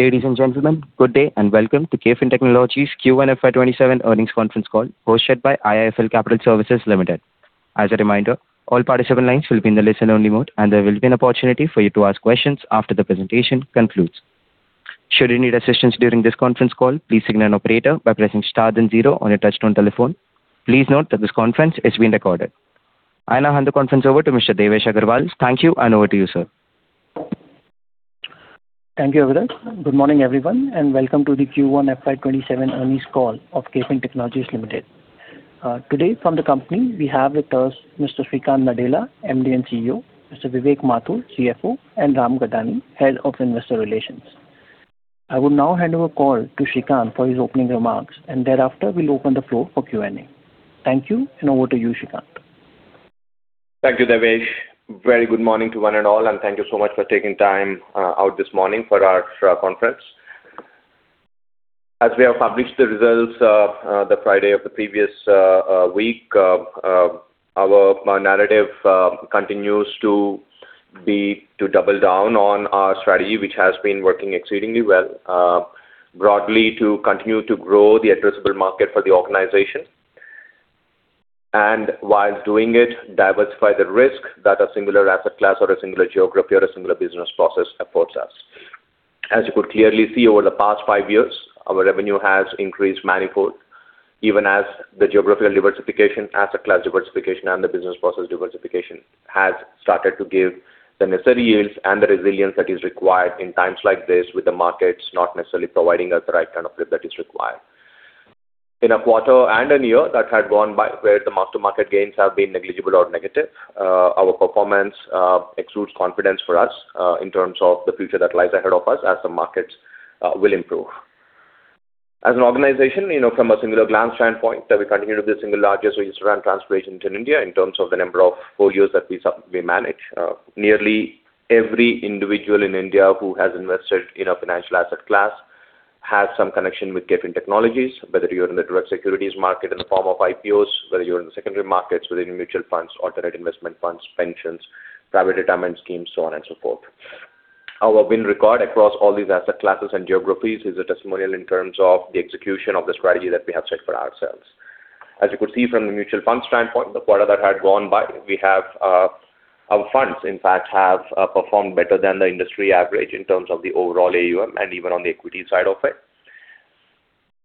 Ladies and gentlemen, good day and welcome to KFin Technologies' Q1 FY 2027 earnings conference call hosted by IIFL Capital Services Limited. As a reminder, all participant lines will be in the listen-only mode, and there will be an opportunity for you to ask questions after the presentation concludes. Should you need assistance during this conference call, please signal an operator by pressing star then zero on your touch-tone telephone. Please note that this conference is being recorded. I now hand the conference over to Mr. Devesh Agarwal. Thank you, and over to you, sir. Thank you, Aviraj. Good morning, everyone, and welcome to the Q1 FY 2027 earnings call of KFin Technologies Limited. Today from the company, we have with us Mr. Sreekanth Nadella, Managing Director and Chief Executive Officer; Mr. Vivek Mathur, Chief Financial Officer; and Ram Gattani, Head of Investor Relations. I will now hand over the call to Sreekanth for his opening remarks, and thereafter we will open the floor for Q&A. Thank you, and over to you, Sreekanth. Thank you, Devesh. Very good morning to one and all, and thank you so much for taking time out this morning for our conference. As we have published the results the Friday of the previous week, our narrative continues to double down on our strategy, which has been working exceedingly well. Broadly, to continue to grow the addressable market for the organization. And while doing it, diversify the risk that a singular asset class or a singular geography or a singular business process affords us. As you could clearly see, over the past five years, our revenue has increased manifold, even as the geographical diversification, asset class diversification, and the business process diversification has started to give the necessary yields and the resilience that is required in times like this with the markets not necessarily providing us the right kind of grip that is required. In a quarter and a year that had gone by where the mark-to-market gains have been negligible or negative. Our performance exudes confidence for us in terms of the future that lies ahead of us as the markets will improve. As an organization, from a singular glance standpoint, that we continue to be the single largest registrar and transfer agent in India in terms of the number of folios that we manage. Nearly every individual in India who has invested in a financial asset class has some connection with KFin Technologies, whether you are in the direct securities market in the form of IPOs, whether you are in the secondary markets within mutual funds, Alternative Investment Funds, pensions, private retirement schemes, so on and so forth. Our win record across all these asset classes and geographies is a testimonial in terms of the execution of the strategy that we have set for ourselves. You could see from the mutual fund standpoint, the quarter that had gone by, our funds, in fact, have performed better than the industry average in terms of the overall AUM and even on the equity side of it.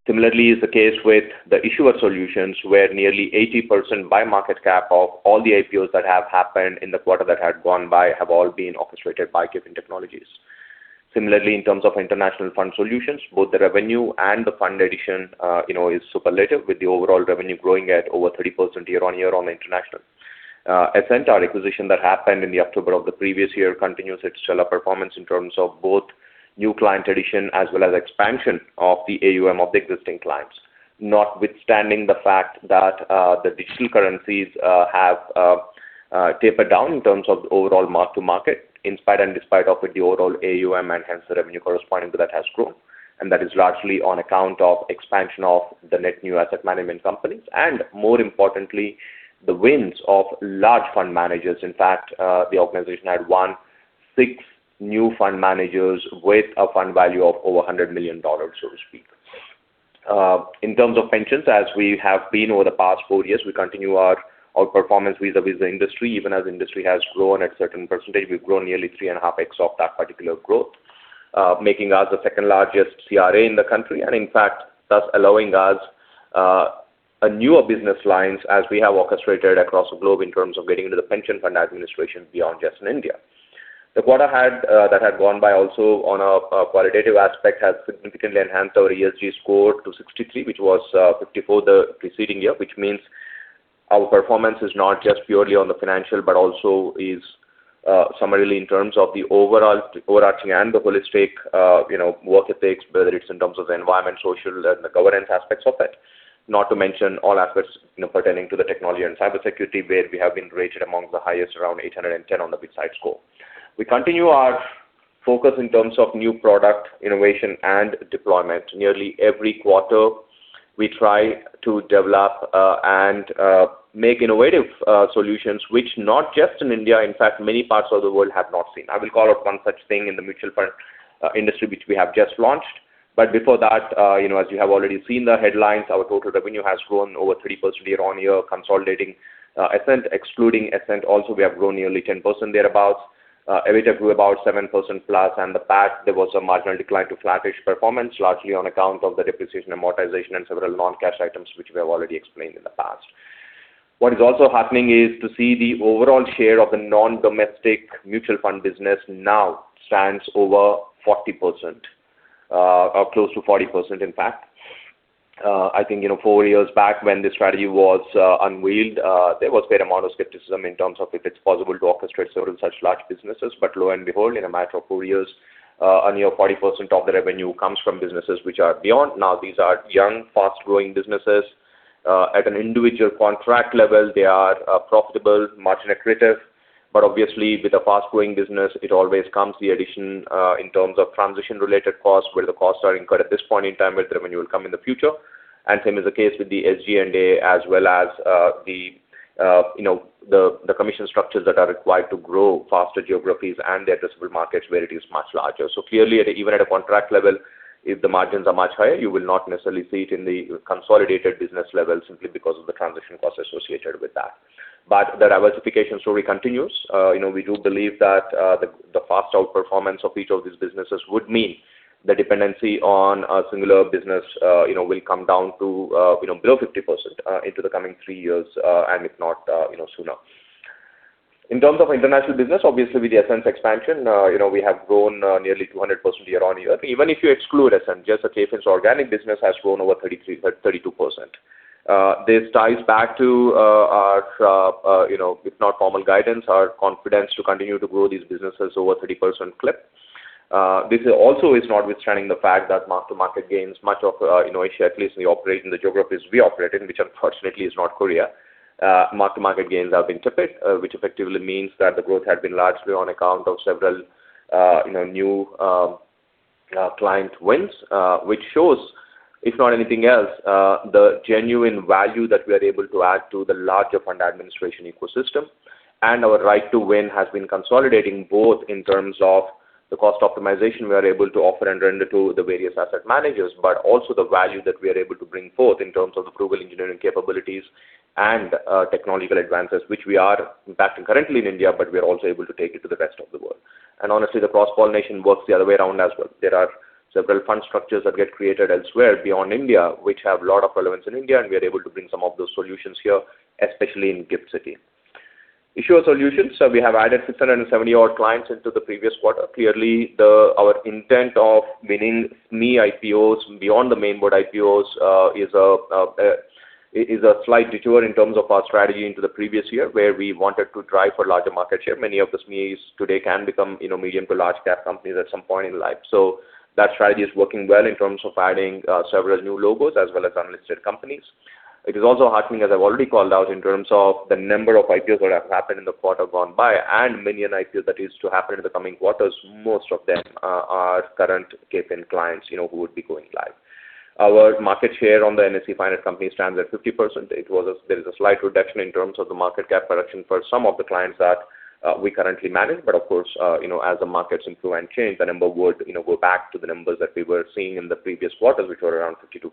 Similarly, is the case with the issuer solutions, where nearly 80% by market cap of all the IPOs that have happened in the quarter that had gone by have all been orchestrated by KFin Technologies. Similarly, in terms of international fund solutions, both the revenue and the fund addition is superlative, with the overall revenue growing at over 30% year-on-year on international. Ascent, our acquisition that happened in the October of the previous year, continues its stellar performance in terms of both new client addition as well as expansion of the AUM of the existing clients. Notwithstanding the fact that the digital currencies have tapered down in terms of the overall mark-to-market. In spite and despite of with the overall AUM and hence the revenue corresponding to that has grown. That is largely on account of expansion of the net new asset management companies and, more importantly, the wins of large fund managers. In fact, the organization had won six new fund managers with a fund value of over $100 million so to speak. In terms of pensions, as we have been over the past four years, we continue our outperformance vis-à-vis the industry. Even as industry has grown at a certain percentage, we've grown nearly three and a half X of that particular growth. Making us the second-largest CRA in the country and in fact, thus allowing us newer business lines as we have orchestrated across the globe in terms of getting into the pension fund administration beyond just in India. The quarter that had gone by also on a qualitative aspect has significantly enhanced our ESG score to 63, which was 54 the preceding year. Which means our performance is not just purely on the financial but also is summarily in terms of the overall overarching and the holistic work ethics, whether it's in terms of the environment, social, and the governance aspects of it. Not to mention all aspects pertaining to the technology and cybersecurity, where we have been rated among the highest, around 810 on the Bitsight Score. We continue our focus in terms of new product innovation and deployment. Nearly every quarter, we try to develop and make innovative solutions which not just in India, in fact, many parts of the world have not seen. I will call out one such thing in the mutual fund industry, which we have just launched. Before that, as you have already seen the headlines, our total revenue has grown over 3% year-on-year consolidating Ascent. Excluding Ascent also, we have grown nearly 10% thereabout. [Ameyo] grew about 7% plus and the PAT, there was a marginal decline to flattish performance, largely on account of the depreciation, amortization, and several non-cash items, which we have already explained in the past. What is also happening is to see the overall share of the non-domestic mutual fund business now stands over 40%, or close to 40%, in fact. I think four years back when the strategy was unveiled, there was fair amount of skepticism in terms of if it's possible to orchestrate certain such large businesses. Lo and behold, in a matter of four years, a near 40% of the revenue comes from businesses which are beyond. These are young, fast-growing businesses. At an individual contract level, they are profitable, margin accretive. Obviously, with a fast-growing business, it always comes the addition in terms of transition-related costs, where the costs are incurred at this point in time, but the revenue will come in the future. Same is the case with the SG&A as well as the commission structures that are required to grow faster geographies and the addressable markets where it is much larger. Clearly, even at a contract level, if the margins are much higher, you will not necessarily see it in the consolidated business level simply because of the transition costs associated with that. The diversification story continues. We do believe that the fast outperformance of each of these businesses would mean the dependency on a singular business will come down to below 50% into the coming three years, and if not, sooner. In terms of international business, obviously, with the Ascent expansion, we have grown nearly 200% year-on-year. Even if you exclude Ascent, just the KFin's organic business has grown over 32%. This ties back to our, if not formal guidance, our confidence to continue to grow these businesses over 30% clip. This also is notwithstanding the fact that mark-to-market gains, much of Asia, at least we operate in the geographies we operate in, which unfortunately is not Korea. Mark-to-market gains have been tepid, which effectively means that the growth had been largely on account of several new client wins, which shows, if not anything else, the genuine value that we are able to add to the larger fund administration ecosystem. Our right to win has been consolidating, both in terms of the cost optimization we are able to offer and render to the various asset managers, but also the value that we are able to bring forth in terms of the global engineering capabilities and technological advances, which we are impacting currently in India, but we're also able to take it to the rest of the world. Honestly, the cross-pollination works the other way around as well. There are several fund structures that get created elsewhere beyond India, which have a lot of relevance in India, we are able to bring some of those solutions here, especially in Gift City. Issue solutions. We have added 670 odd clients into the previous quarter. Clearly, our intent of winning SME IPOs beyond the main board IPOs is a slight detour in terms of our strategy into the previous year, where we wanted to drive for larger market share. Many of the SMEs today can become medium to large cap companies at some point in life. That strategy is working well in terms of adding several new logos as well as unlisted companies. It is also heartening, as I've already called out in terms of the number of IPOs that have happened in the quarter gone by and many an IPO that is to happen in the coming quarters. Most of them are current KFin clients who would be going live. Our market share on the NSE 500 company stands at 50%. There is a slight reduction in terms of the market cap reduction for some of the clients that we currently manage. As the markets improve and change, the number would go back to the numbers that we were seeing in the previous quarters, which were around 52%.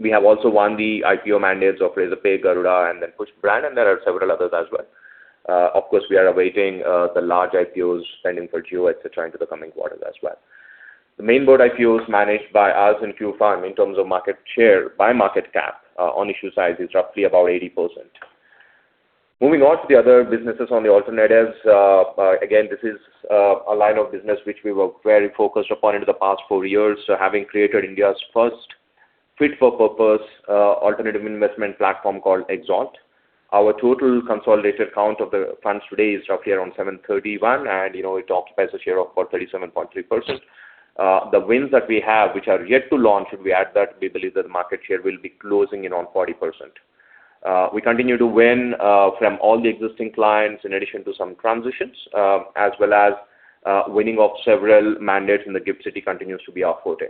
We have also won the IPO mandates of Razorpay, Garuda, and then Pushp Brand, and there are several others as well. Of course, we are awaiting the large IPOs pending for Jio, et cetera, into the coming quarters as well. The main board IPOs managed by us and Q.Fund in terms of market share by market cap on issue size is roughly about 80%. Moving on to the other businesses on the alternatives. Again, this is a line of business which we were very focused upon into the past four years. Having created India's first fit-for-purpose alternative investment platform called XAlt. Our total consolidated count of the funds today is roughly around 731, and it occupies a share of about 37.3%. The wins that we have, which are yet to launch, if we add that, we believe that the market share will be closing in on 40%. We continue to win from all the existing clients, in addition to some transitions, as well as winning of several mandates, and the GIFT City continues to be our forte.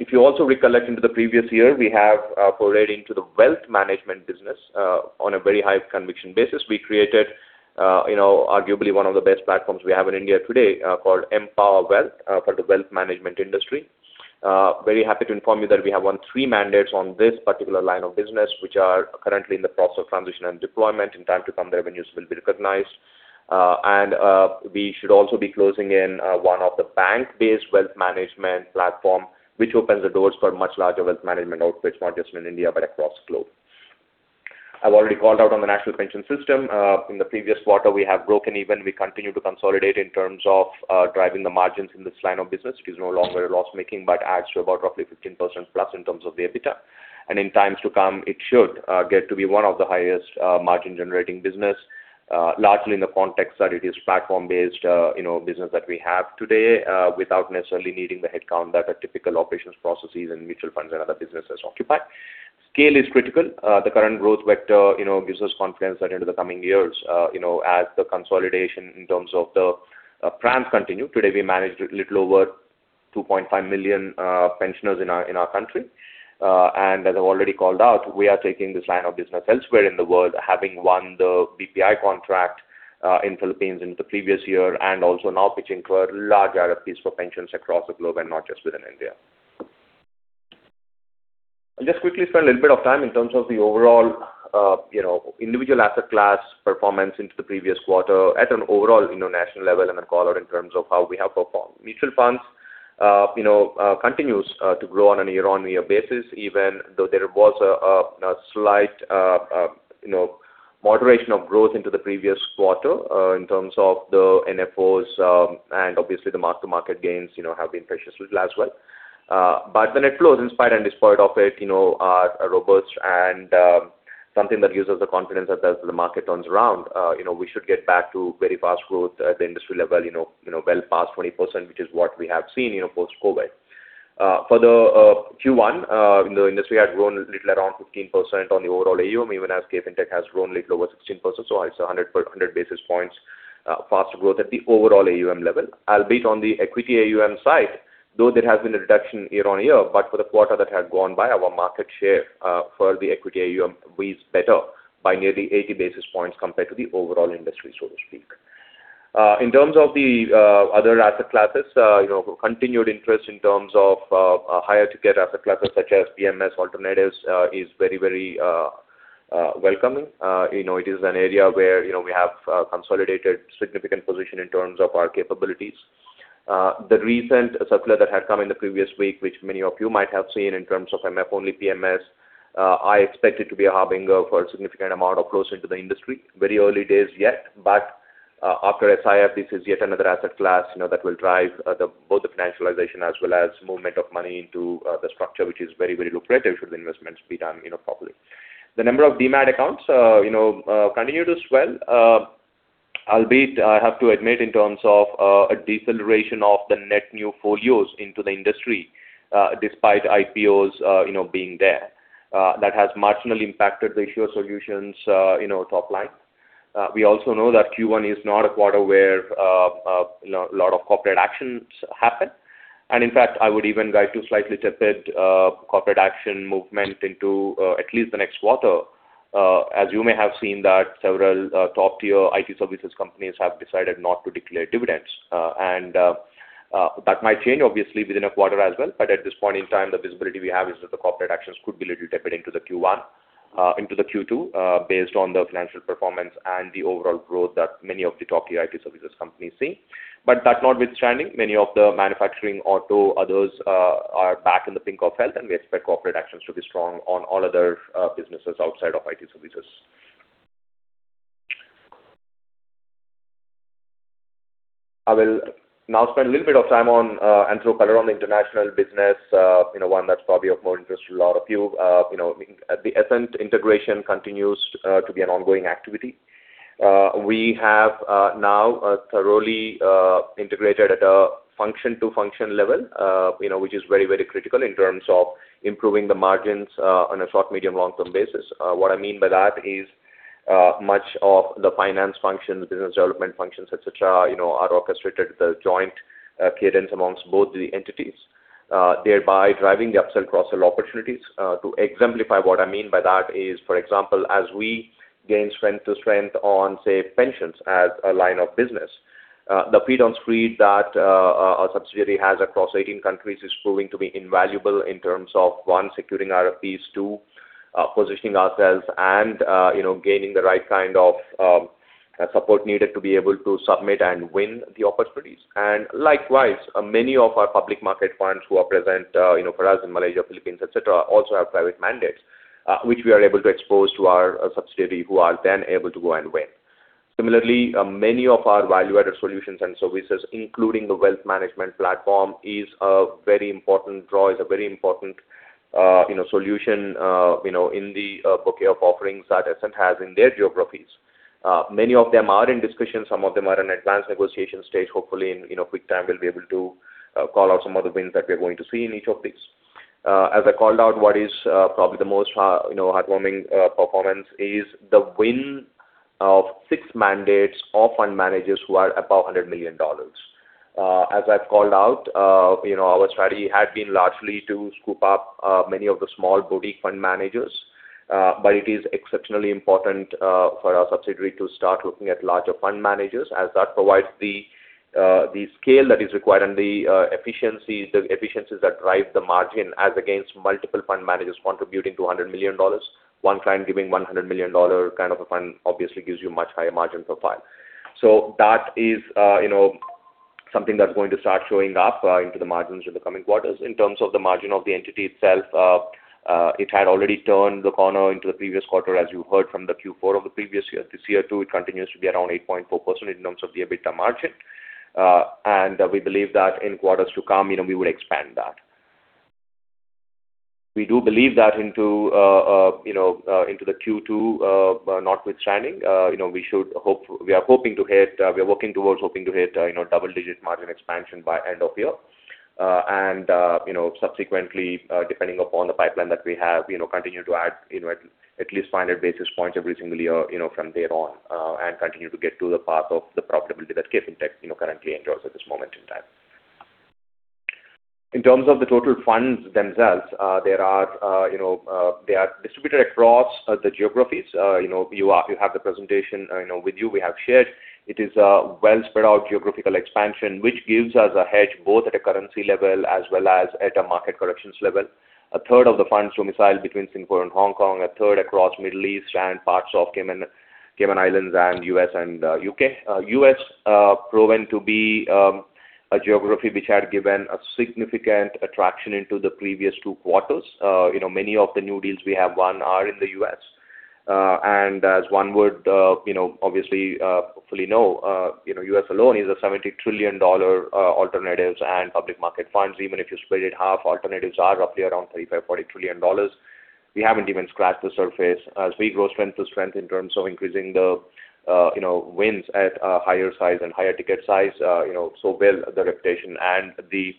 If you also recollect into the previous year, we have forayed into the wealth management business on a very high conviction basis. We created arguably one of the best platforms we have in India today called Empower Wealth for the wealth management industry. Very happy to inform you that we have won three mandates on this particular line of business, which are currently in the process of transition and deployment. In time to come, the revenues will be recognized. We should also be closing in one of the bank-based wealth management platform, which opens the doors for much larger wealth management outfits, not just in India but across the globe. I've already called out on the National Pension System. In the previous quarter, we have broken even. We continue to consolidate in terms of driving the margins in this line of business, which is no longer loss-making, but adds to about roughly 15%+ in terms of the EBITDA. In times to come, it should get to be one of the highest margin-generating business, largely in the context that it is platform-based business that we have today without necessarily needing the headcount that a typical operations processes and mutual funds and other businesses occupy. Scale is critical. The current growth vector gives us confidence that into the coming years as the consolidation in terms of the plans continue. Today, we managed a little over 2.5 million pensioners in our country. As I've already called out, we are taking this line of business elsewhere in the world, having won the BPI contract in Philippines in the previous year and also now pitching for large RFPs for pensions across the globe and not just within India. I'll just quickly spend a little bit of time in terms of the overall individual asset class performance into the previous quarter at an overall national level and a color in terms of how we have performed. Mutual funds continues to grow on a year-on-year basis, even though there was a slight moderation of growth into the previous quarter in terms of the NFOs, and obviously the mark-to-market gains have been precious little as well. The net flows, in spite and despite of it, are robust and something that gives us the confidence that as the market turns around we should get back to very fast growth at the industry level well past 20%, which is what we have seen post-COVID. For the Q1 in the industry, had grown little around 15% on the overall AUM, even as KFin Tech has grown little over 16%. It's 100 basis points faster growth at the overall AUM level. Albeit on the equity AUM side, though there has been a reduction year-on-year, but for the quarter that has gone by, our market share for the equity AUM weighs better by nearly 80 basis points compared to the overall industry, so to speak. In terms of the other asset classes, continued interest in terms of higher ticket asset classes such as PMS alternatives is very welcoming. It is an area where we have consolidated significant position in terms of our capabilities. The recent circular that had come in the previous week, which many of you might have seen in terms of MF-only PMS, I expect it to be a harbinger for a significant amount of growth into the industry. Very early days yet, after SIP, this is yet another asset class that will drive both the financialization as well as movement of money into the structure, which is very lucrative should the investments be done properly. The number of demat accounts continued to swell, albeit I have to admit in terms of a deceleration of the net new folios into the industry, despite IPOs being there. That has marginally impacted the issue of solutions top line. We also know that Q1 is not a quarter where a lot of corporate actions happen. In fact, I would even guide to slightly tepid corporate action movement into at least the next quarter, as you may have seen that several top-tier IT services companies have decided not to declare dividends. That might change obviously within a quarter as well, but at this point in time, the visibility we have is that the corporate actions could be a little tepid into the Q2 based on the financial performance and the overall growth that many of the top IT services companies see. That notwithstanding, many of the manufacturing auto others are back in the pink of health, and we expect corporate actions to be strong on all other businesses outside of IT services. I will now spend a little bit of time on and throw color on the international business, one that's probably of more interest to a lot of you. The Ascent integration continues to be an ongoing activity. We have now thoroughly integrated at a function to function level which is very critical in terms of improving the margins on a short, medium, long-term basis. What I mean by that is much of the finance functions, business development functions, et cetera, are orchestrated with a joint cadence amongst both the entities, thereby driving the upsell, cross-sell opportunities. To exemplify what I mean by that is, for example, as we gain strength to strength on, say, pensions as a line of business the feet on street that our subsidiary has across 18 countries is proving to be invaluable in terms of, one, securing RFPs, two, positioning ourselves and gaining the right kind of support needed to be able to submit and win the opportunities. Likewise, many of our public market funds who are present for us in Malaysia, Philippines, et cetera, also have private mandates, which we are able to expose to our subsidiary, who are then able to go and win. Similarly, many of our value-added solutions and services, including the wealth management platform is a very important draw, is a very important solution in the bouquet of offerings that Ascent has in their geographies. Many of them are in discussion. Some of them are in advanced negotiation stage. Hopefully in quick time, we'll be able to call out some of the wins that we're going to see in each of these. As I called out, what is probably the most heartwarming performance is the win of six mandates of fund managers who are above $100 million. As I've called out our strategy had been largely to scoop up many of the small boutique fund managers, but it is exceptionally important for our subsidiary to start looking at larger fund managers as that provides the scale that is required and the efficiencies that drive the margin as against multiple fund managers contributing to $100 million. One client giving $100 million kind of a fund obviously gives you much higher margin profile. That is something that's going to start showing up into the margins in the coming quarters. In terms of the margin of the entity itself, it had already turned the corner into the previous quarter, as you heard from the Q4 of the previous year. This year, too, it continues to be around 8.4% in terms of the EBITDA margin. We believe that in quarters to come we would expand that. We do believe that into the Q2 notwithstanding we are working towards hoping to hit double-digit margin expansion by end of year. Subsequently, depending upon the pipeline that we have continue to add at least 500 basis points every single year from there on and continue to get to the path of the profitability that KFin Tech currently enjoys at this moment in time. In terms of the total funds themselves they are distributed across the geographies. You have the presentation with you, we have shared. It is a well spread out geographical expansion, which gives us a hedge both at a currency level as well as at a market corrections level. A third of the funds domicile between Singapore and Hong Kong, a third across Middle East and parts of Cayman Islands and U.S. and U.K. U.S. proven to be a geography which had given a significant attraction into the previous two quarters. Many of the new deals we have won are in the U.S. As one would obviously hopefully know, U.S. alone is a $70 trillion alternatives and public market funds. Even if you split it half, alternatives are roughly around $35 trillion-$40 trillion. We haven't even scratched the surface. As we grow strength to strength in terms of increasing the wins at a higher size and higher ticket size, so will the reputation and the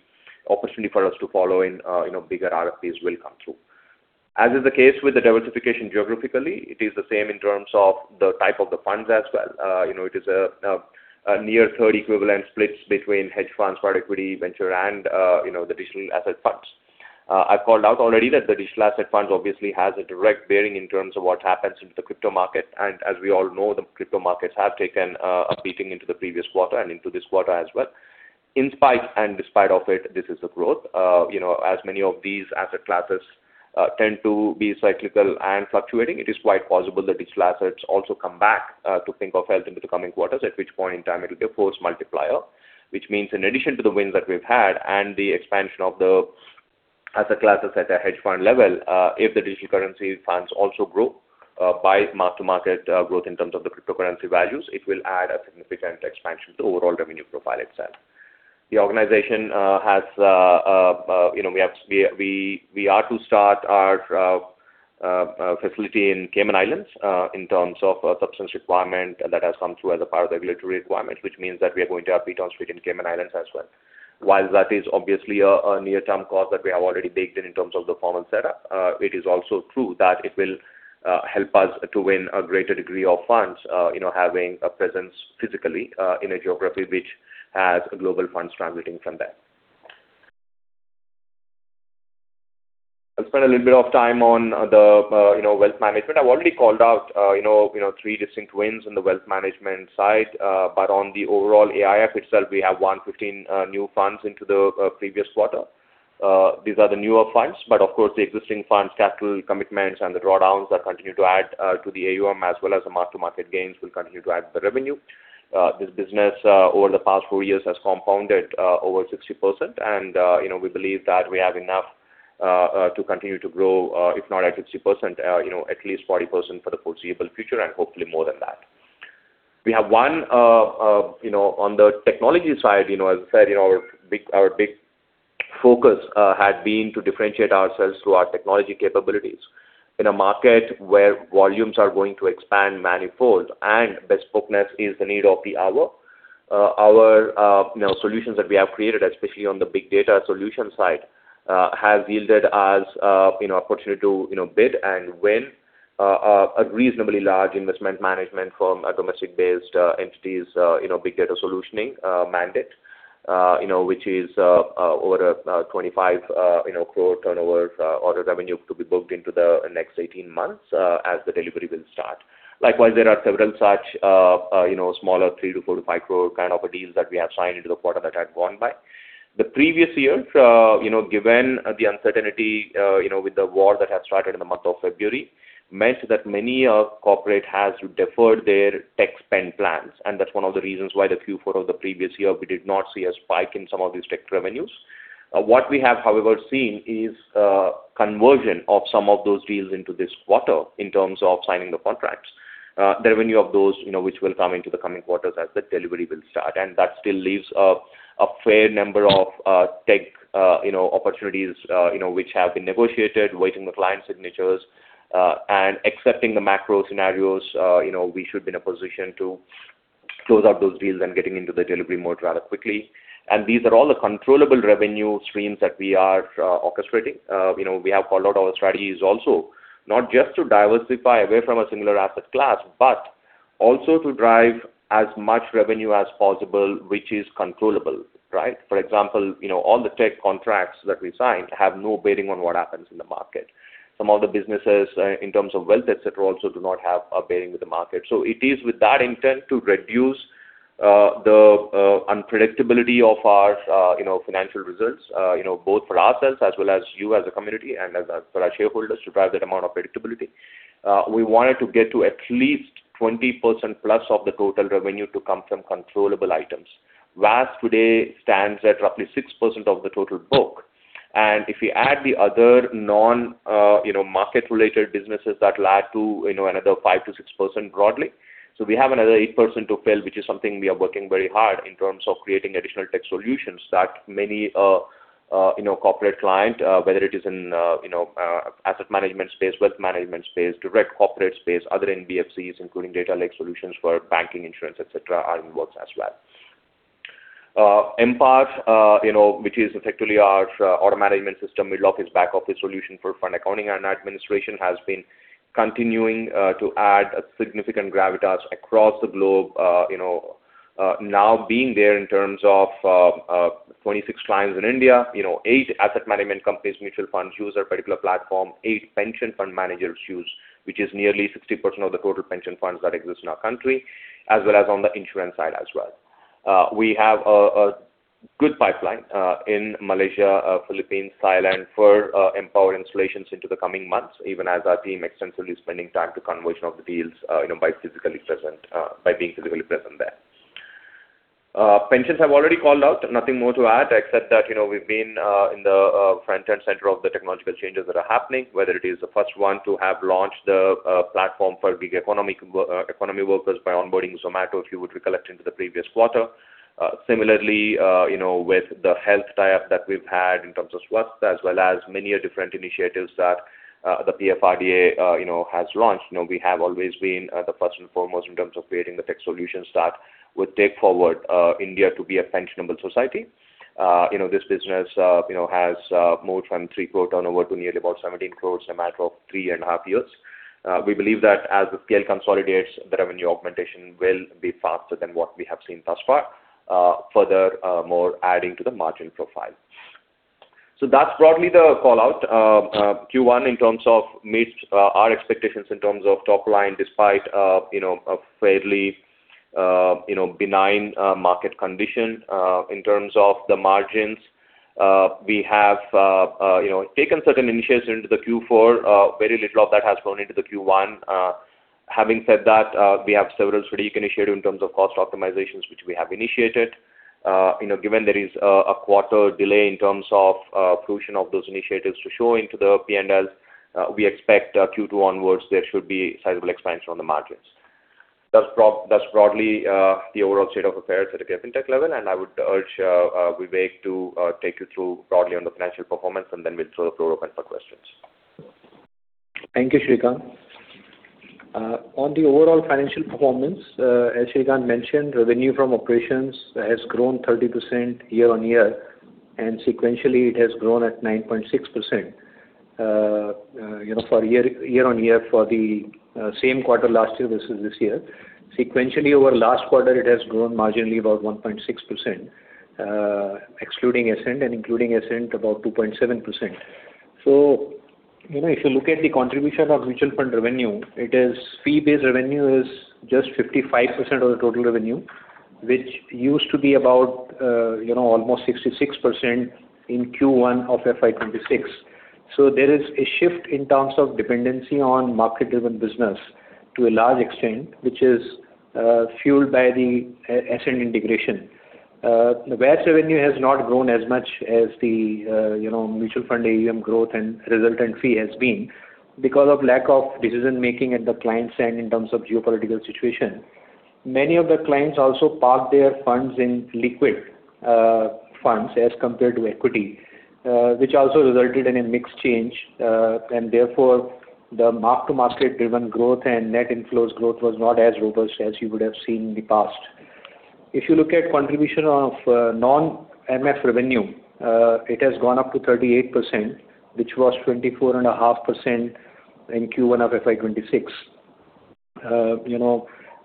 opportunity for us to follow in bigger RFPs will come through. As is the case with the diversification geographically, it is the same in terms of the type of the funds as well. It is a near third equivalent splits between hedge funds, private equity, venture, and the digital asset funds. I've called out already that the digital asset funds obviously has a direct bearing in terms of what happens into the crypto market. As we all know, the crypto markets have taken a beating into the previous quarter and into this quarter as well. In spite and despite of it, this is a growth. As many of these asset classes tend to be cyclical and fluctuating, it is quite possible that these assets also come back to think of health into the coming quarters, at which point in time it will be a force multiplier. Which means in addition to the wins that we've had and the expansion of the asset classes at a hedge fund level, if the digital currency funds also grow by mark-to-market growth in terms of the cryptocurrency values, it will add a significant expansion to overall revenue profile itself. The organization, we are to start our facility in Cayman Islands, in terms of substance requirement that has come through as a part of regulatory requirement, which means that we are going to have feet on street in Cayman Islands as well. While that is obviously a near-term cost that we have already baked in terms of the formal setup, it is also true that it will help us to win a greater degree of funds having a presence physically in a geography which has global funds transiting from there. I'll spend a little bit of time on the wealth management. I've already called out three distinct wins in the wealth management side. On the overall AIF itself, we have won 15 new funds into the previous quarter. These are the newer funds, but of course the existing funds, capital commitments and the drawdowns that continue to add to the AUM as well as the mark-to-market gains will continue to add to the revenue. This business, over the past four years has compounded over 60%. We believe that we have enough to continue to grow, if not at 60%, at least 40% for the foreseeable future, and hopefully more than that. The technology side, as I said, our big focus has been to differentiate ourselves through our technology capabilities. In a market where volumes are going to expand manifold and bespokeness is the need of the hour. Our solutions that we have created, especially on the big data solution side, have yielded us opportunity to bid and win a reasonably large investment management firm, a domestic-based entity's big data solutioning mandate which is over 25 crore turnover order revenue to be booked into the next 18 months as the delivery will start. Likewise, there are several such smaller 3 to 4 to 5 crore kind of deals that we have signed into the quarter that had gone by. The previous year, given the uncertainty with the war that had started in the month of February, meant that many a corporate has deferred their tech spend plans. That's one of the reasons why the Q4 of the previous year, we did not see a spike in some of these tech revenues. We have, however, seen is conversion of some of those deals into this quarter in terms of signing the contracts. Revenue of those which will come into the coming quarters as the delivery will start. That still leaves a fair number of tech opportunities which have been negotiated, waiting the client signatures. Excepting the macro scenarios we should be in a position to close out those deals and getting into the delivery mode rather quickly. These are all the controllable revenue streams that we are orchestrating. We have called out our strategies also. Not just to diversify away from a similar asset class, but also to drive as much revenue as possible, which is controllable, right? For example, all the tech contracts that we sign have no bearing on what happens in the market. Some of the businesses in terms of wealth, et cetera, also do not have a bearing with the market. It is with that intent to reduce the unpredictability of our financial results both for ourselves as well as you as a community and for our shareholders to drive that amount of predictability. We wanted to get to at least 20%+ of the total revenue to come from controllable items. VAS today stands at roughly 6% of the total book. If we add the other non-market related businesses, that'll add to another 5%-6% broadly. We have another 8% to fill, which is something we are working very hard in terms of creating additional tech solutions that many corporate client, whether it is in asset management space, wealth management space, direct corporate space, other NBFCs, including data lake solutions for banking, insurance, et cetera, are in the works as well. mPower which is effectively our order management system. We built this back office solution for fund accounting and administration, has been continuing to add a significant gravitas across the globe now being there in terms of 26 clients in India, eight asset management companies, mutual funds use our particular platform, eight pension fund managers use, which is nearly 60% of the total pension funds that exist in our country, as well as on the insurance side as well. We have a good pipeline in Malaysia, Philippines, Thailand for mPower installations into the coming months, even as our team extensively spending time to conversion of the deals by being physically present there. Pensions I've already called out. Nothing more to add except that we've been in the front and center of the technological changes that are happening, whether it is the first one to have launched the platform for gig economy workers by onboarding Zomato, if you would recollect into the previous quarter. Similarly, with the health tie-up that we've had in terms of NPS Swasthya, as well as many different initiatives that the PFRDA has launched. We have always been the first and foremost in terms of creating the tech solutions that would take forward India to be a pensionable society. This business has moved from 3 crore turnover to nearly about 17 crore in a matter of three and a half years. We believe that as the P&L consolidates, the revenue augmentation will be faster than what we have seen thus far. Further, more adding to the margin profile. That's broadly the call-out. Q1 in terms of meets our expectations in terms of top line, despite a fairly benign market condition. In terms of the margins, we have taken certain initiatives into the Q4, very little of that has gone into the Q1. Having said that, we have several strategic initiatives in terms of cost optimizations, which we have initiated. Given there is a quarter delay in terms of fruition of those initiatives to show into the P&Ls, we expect Q2 onwards, there should be sizable expansion on the margins. That's broadly the overall state of affairs at a KFin Tech level. I would urge Vivek to take you through broadly on the financial performance, then we'll throw the floor open for questions. Thank you, Sreekanth. On the overall financial performance, as Sreekanth mentioned, revenue from operations has grown 30% year-on-year, sequentially, it has grown at 9.6%. For year-on-year for the same quarter last year versus this year. Sequentially over last quarter, it has grown marginally about 1.6%, excluding Ascent and including Ascent about 2.7%. If you look at the contribution of mutual fund revenue, fee-based revenue is just 55% of the total revenue, which used to be about almost 66% in Q1 of FY 2026. There is a shift in terms of dependency on market-driven business to a large extent, which is fueled by the Ascent integration. The VAS revenue has not grown as much as the mutual fund AUM growth and resultant fee has been because of lack of decision-making at the client's end in terms of geopolitical situation. Many of the clients also park their funds in liquid funds as compared to equity, which also resulted in a mix change. Therefore, the mark-to-market-driven growth and net inflows growth was not as robust as you would have seen in the past. If you look at contribution of non-MF revenue, it has gone up to 38%, which was 24.5% in Q1 of FY 2026.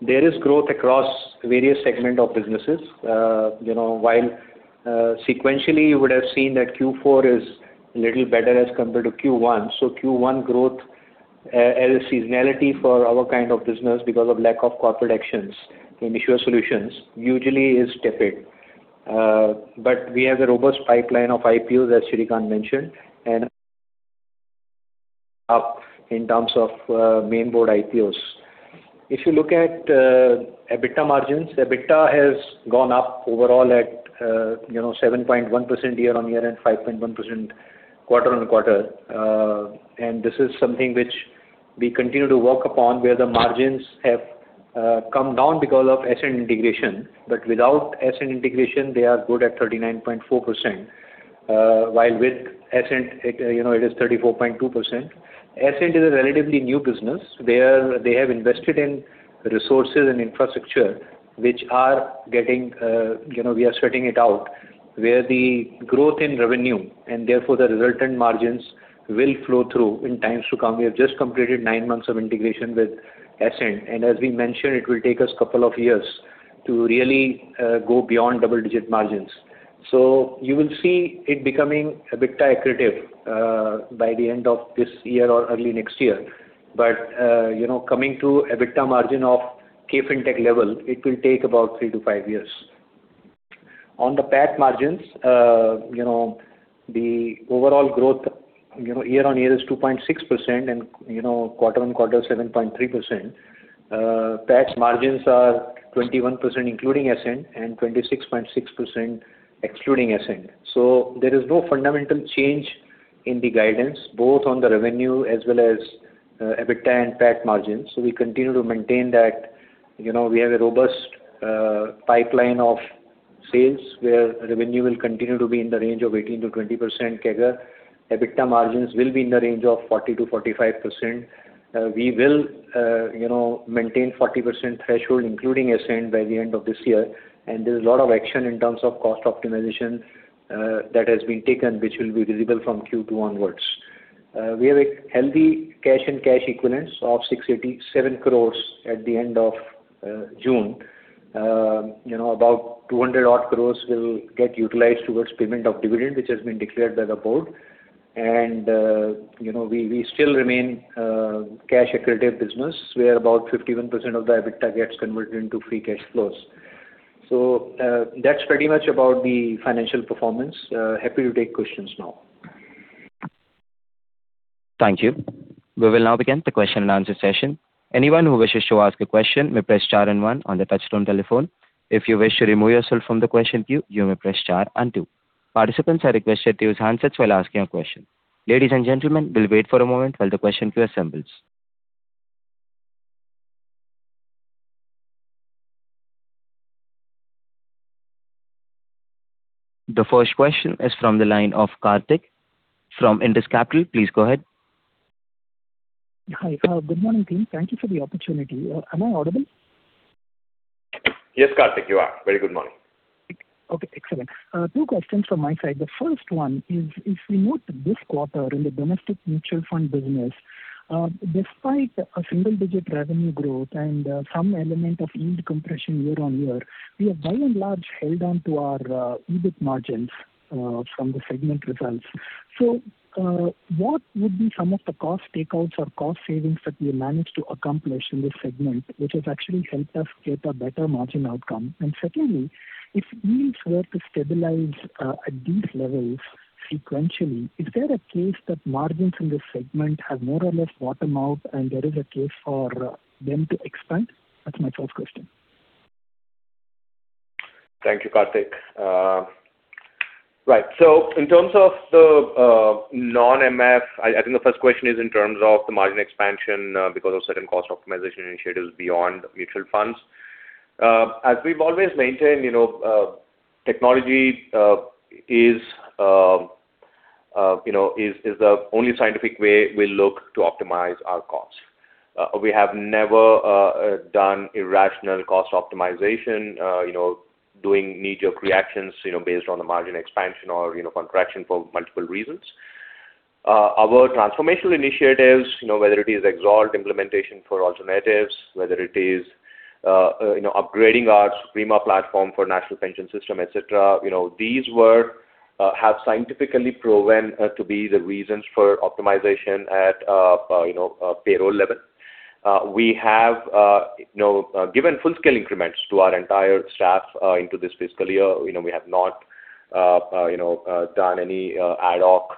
There is growth across various segments of businesses. Sequentially, you would have seen that Q4 is little better as compared to Q1 growth as seasonality for our kind of business because of lack of corporate actions in issuer solutions usually is tepid. We have a robust pipeline of IPOs, as Sreekanth mentioned, and up in terms of main board IPOs. EBITDA margins, EBITDA has gone up overall at 7.1% year-on-year and 5.1% quarter-on-quarter. This is something which we continue to work upon, where the margins have come down because of Ascent integration. Without Ascent integration, they are good at 39.4%, while with Ascent, it is 34.2%. Ascent is a relatively new business. They have invested in resources and infrastructure, we are sweating it out, where the growth in revenue, and therefore the resultant margins will flow through in times to come. We have just completed nine months of integration with Ascent, and as we mentioned, it will take us a couple of years to really go beyond double-digit margins. You will see it becoming EBITDA accretive by the end of this year or early next year. Coming to EBITDA margin of KFin Technologies level, it will take about three to five years. On the PAT margins, the overall growth year-on-year is 2.6% and quarter-on-quarter 7.3%. PAT margins are 21% including Ascent and 26.6% excluding Ascent. There is no fundamental change in the guidance, both on the revenue as well as EBITDA and PAT margins. We continue to maintain that we have a robust pipeline of sales where revenue will continue to be in the range of 18%-20% CAGR. EBITDA margins will be in the range of 40%-45%. We will maintain 40% threshold, including Ascent by the end of this year. There's a lot of action in terms of cost optimization that has been taken, which will be visible from Q2 onwards. We have a healthy cash and cash equivalents of 687 crore at the end of June. About 200 odd crore will get utilized towards payment of dividend, which has been declared by the board. We still remain a cash accretive business where about 51% of the EBITDA gets converted into free cash flows. That's pretty much about the financial performance. Happy to take questions now. Thank you. We will now begin the question and answer session. Anyone who wishes to ask a question may press star and one on the touchtone telephone. If you wish to remove yourself from the question queue, you may press star and two. Participants are requested to use handsets while asking a question. Ladies and gentlemen, we will wait for a moment while the question queue assembles. The first question is from the line of Karthik Chellappa from Indus Capital. Please go ahead. Hi. Good morning, team. Thank you for the opportunity. Am I audible? Yes, Karthik, you are. Very good morning. Okay, excellent. Two questions from my side. The first one is, if we note this quarter in the domestic mutual fund business, despite a single-digit revenue growth and some element of yield compression year-on-year, we have by and large held on to our EBIT margins from the segment results. What would be some of the cost takeouts or cost savings that we managed to accomplish in this segment, which has actually helped us get a better margin outcome? Secondly, if yields were to stabilize at these levels sequentially, is there a case that margins in this segment have more or less bottomed out and there is a case for them to expand? That is my first question. Thank you, Karthik. Right. In terms of the non-MF, I think the first question is in terms of the margin expansion because of certain cost optimization initiatives beyond mutual funds. As we've always maintained, technology is the only scientific way we look to optimize our costs. We have never done irrational cost optimization doing knee-jerk reactions based on the margin expansion or contraction for multiple reasons. Our transformational initiatives, whether it is XAlt implementation for alternatives, whether it is upgrading our Suprema Plus platform for National Pension System, et cetera, these have scientifically proven to be the reasons for optimization at payroll level. We have given full scale increments to our entire staff into this fiscal year. We have not done any ad-hoc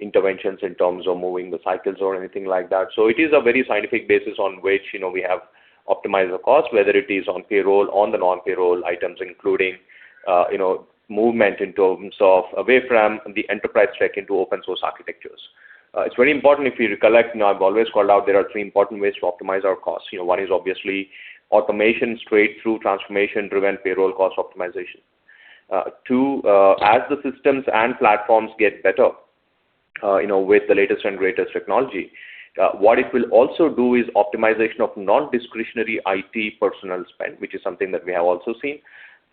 interventions in terms of moving the cycles or anything like that. It is a very scientific basis on which we have optimized the cost, whether it is on payroll, on the non-payroll items, including movement in terms of away from the enterprise tech into open source architectures. It's very important if you recollect, and I've always called out there are three important ways to optimize our costs. One is obviously automation straight through transformation driven payroll cost optimization. Two, as the systems and platforms get better with the latest and greatest technology what it will also do is optimization of non-discretionary IT personnel spend, which is something that we have also seen.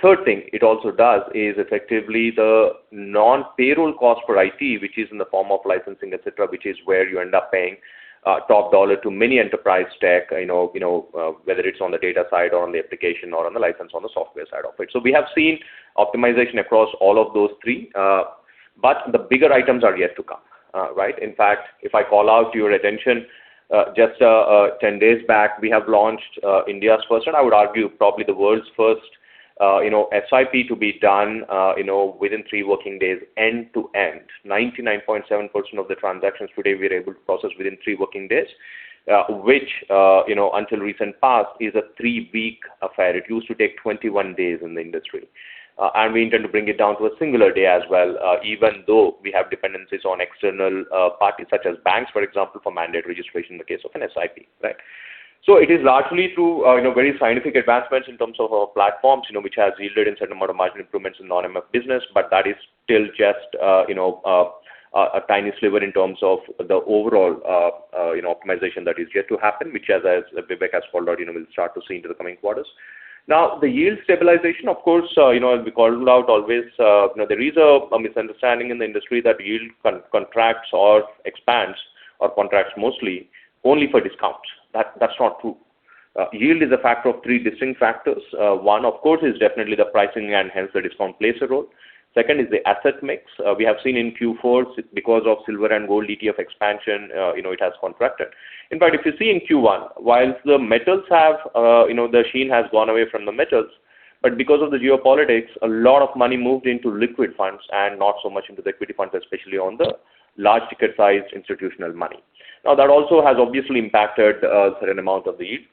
Third thing it also does is effectively the non-payroll cost for IT, which is in the form of licensing, et cetera, which is where you end up paying top dollar to many enterprise tech whether it's on the data side or on the application or on the license on the software side of it. We have seen optimization across all of those three. The bigger items are yet to come. In fact, if I call out to your attention just 10 days back, we have launched India's first and I would argue probably the world's first SIP to be done within three working days end to end. 99.7% of the transactions today we're able to process within three working days which until recent past is a three-week affair. It used to take 21 days in the industry. We intend to bring it down to a singular day as well. Even though we have dependencies on external parties such as banks, for example, for mandate registration in the case of an SIP. It is largely through very scientific advancements in terms of our platforms which has yielded in certain amount of margin improvements in non-MF business. That is still just a tiny sliver in terms of the overall optimization that is yet to happen, which as Vivek has called out we'll start to see into the coming quarters. The yield stabilization, of course, as we called out always there is a misunderstanding in the industry that yield contracts or expands or contracts mostly only for discounts. That's not true. Yield is a factor of three distinct factors. One, of course, is definitely the pricing and hence the discount plays a role. Second is the asset mix. We have seen in Q4 because of silver and gold ETF expansion it has contracted. In fact, if you see in Q1, whilst the metals the sheen has gone away from the metals. Because of the geopolitics, a lot of money moved into liquid funds and not so much into the equity funds, especially on the large ticket size institutional money. That also has obviously impacted a certain amount of the yield.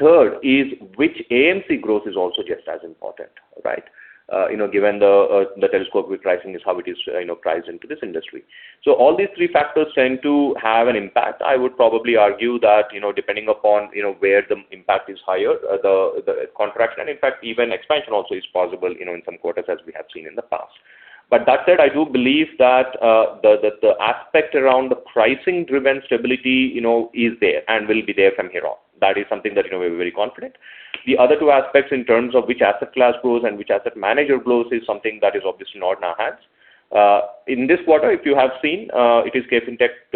Third is which AMC grows is also just as important. Given the telescope with pricing is how it is priced into this industry. All these three factors tend to have an impact. I would probably argue that depending upon where the impact is higher the contraction and in fact even expansion also is possible in some quarters as we have seen in the past. That said, I do believe that the aspect around pricing driven stability is there and will be there from here on. That is something that we're very confident. The other two aspects in terms of which asset class grows and which asset manager grows is something that is obviously not in our hands. In this quarter, if you have seen it is KFin Tech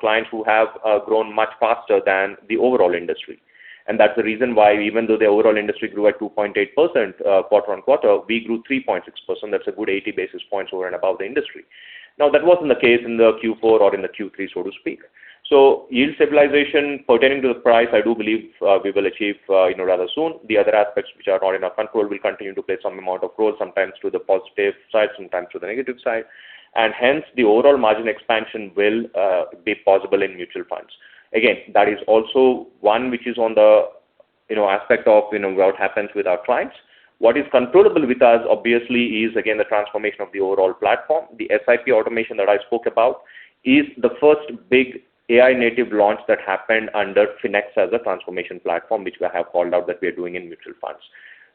clients who have grown much faster than the overall industry. That's the reason why even though the overall industry grew at 2.8% quarter-on-quarter, we grew 3.6%. That's a good 80 basis points over and above the industry. That wasn't the case in the Q4 or in the Q3, so to speak. Yield stabilization pertaining to the price, I do believe we will achieve rather soon. The other aspects which are not in our control will continue to play some amount of role, sometimes to the positive side, sometimes to the negative side. Hence the overall margin expansion will be possible in mutual funds. Again, that is also one which is on the aspect of what happens with our clients. What is controllable with us, obviously, is again, the transformation of the overall platform. The SIP automation that I spoke about is the first big AI native launch that happened under Finex as a transformation platform, which we have called out that we are doing in mutual funds.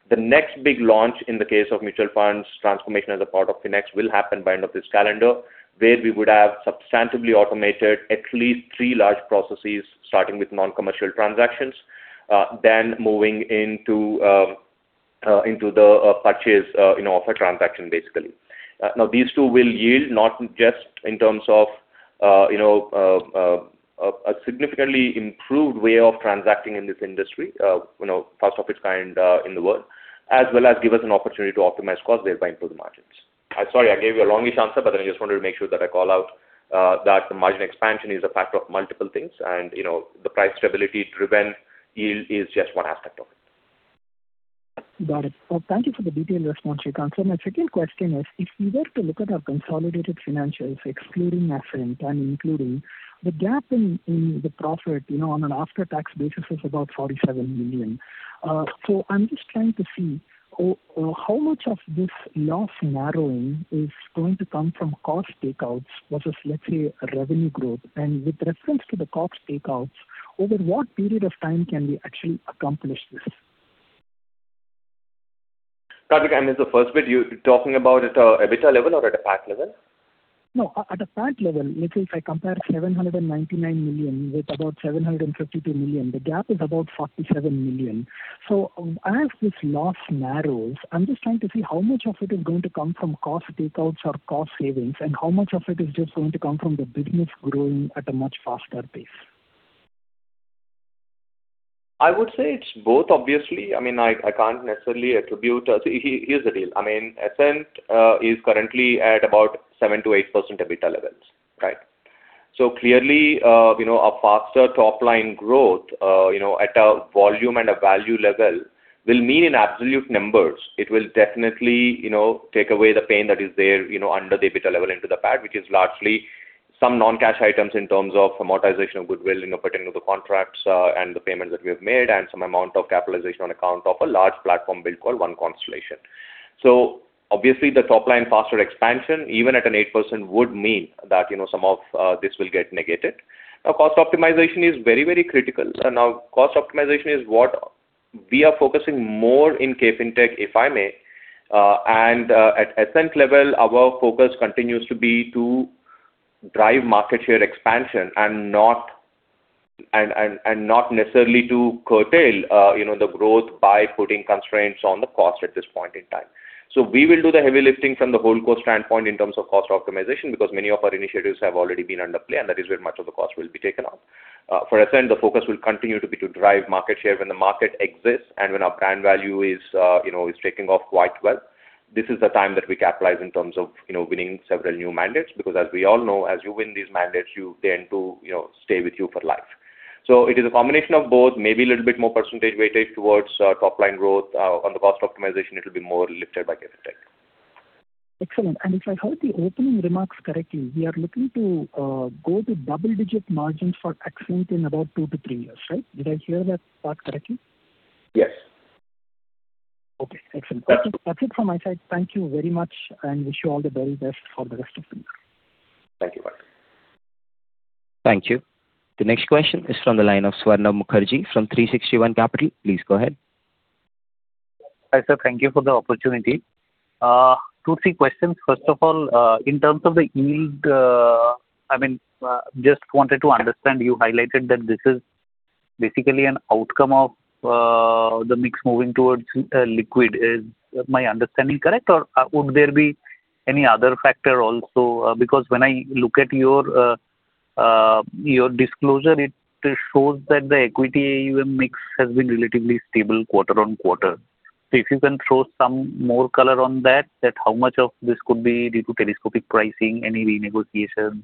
The next big launch in the case of mutual funds transformation as a part of Finex will happen by end of this calendar, where we would have substantively automated at least three large processes, starting with non-commercial transactions. Moving into the purchase of a transaction, basically. These two will yield not just in terms of a significantly improved way of transacting in this industry, first of its kind in the world, as well as give us an opportunity to optimize costs thereby improve the margins. Sorry, I gave you a longish answer, I just wanted to make sure that I call out that the margin expansion is a fact of multiple things, and the price stability-driven yield is just one aspect of it. Got it. Thank you for the detailed response, Sreekanth. My second question is, if we were to look at our consolidated financials excluding Ascent and including, the gap in the profit, on an after-tax basis is about 47 million. I'm just trying to see how much of this loss narrowing is going to come from cost takeouts versus, let's say, revenue growth. With reference to the cost takeouts, over what period of time can we actually accomplish this? Karthik, I missed the first bit. You're talking about at a EBITDA level or at a PAT level? No, at a PAT level. If I compare 799 million with about 752 million, the gap is about 47 million. As this loss narrows, I'm just trying to see how much of it is going to come from cost takeouts or cost savings, and how much of it is just going to come from the business growing at a much faster pace. I would say it's both, obviously. I can't necessarily attribute it, here's the deal. Ascent is currently at about 7%-8% EBITDA levels. Clearly, a faster top-line growth at a volume and a value level will mean in absolute numbers, it will definitely take away the pain that is there under the EBITDA level into the PAT, which is largely some non-cash items in terms of amortization of goodwill pertaining to the contracts and the payments that we have made, and some amount of capitalization on account of a large platform build called One Constellation. Obviously, the top line faster expansion, even at an 8% would mean that some of this will get negated. Cost optimization is very critical. Cost optimization is what we are focusing more in KFintech, if I may. At Ascent level, our focus continues to be to drive market share expansion and not necessarily to curtail the growth by putting constraints on the cost at this point in time. We will do the heavy lifting from the whole cost standpoint in terms of cost optimization, because many of our initiatives have already been under play, and that is where much of the cost will be taken off. For Ascent, the focus will continue to be to drive market share when the market exists and when our brand value is taking off quite well. This is the time that we capitalize in terms of winning several new mandates, because as we all know, as you win these mandates, they tend to stay with you for life. It is a combination of both, maybe a little bit more percentage weighted towards top-line growth. On the cost optimization, it will be more lifted by KFintech. Excellent. If I heard the opening remarks correctly, we are looking to go to double-digit margins for Ascent in about two to three years, right? Did I hear that part correctly? Yes. Okay, excellent. That's it from my side. Thank you very much, and wish you all the very best for the rest of the year. Thank you, Karthik. Thank you. The next question is from the line of Swarnab Mukherjee from 360 ONE. Please go ahead. Hi, sir. Thank you for the opportunity, two, three questions. First of all, in terms of the yield, just wanted to understand, you highlighted that this is basically an outcome of the mix moving towards liquid. Is my understanding correct, or would there be any other factor also? When I look at your disclosure, it shows that the equity AUM mix has been relatively stable quarter-on-quarter. If you can throw some more color on that, how much of this could be due to telescopic pricing, any renegotiation,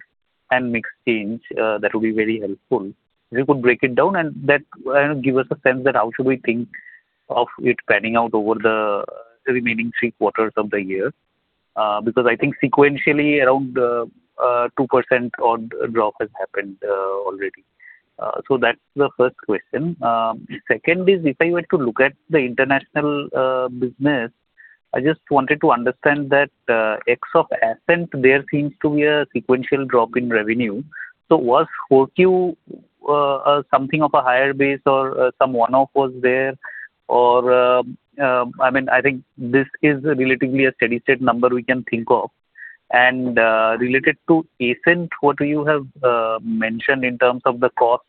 and mix change? That would be very helpful. If you could break it down and give us a sense that how should we think of it panning out over the remaining three quarters of the year. I think sequentially, around 2% odd drop has happened already. That's the first question. Second is, if I were to look at the international business, I just wanted to understand that ex of Ascent, there seems to be a sequential drop in revenue. Was 4Q something of a higher base or some one-off was there? I think this is relatively a steady state number we can think of. Related to Ascent, what you have mentioned in terms of the cost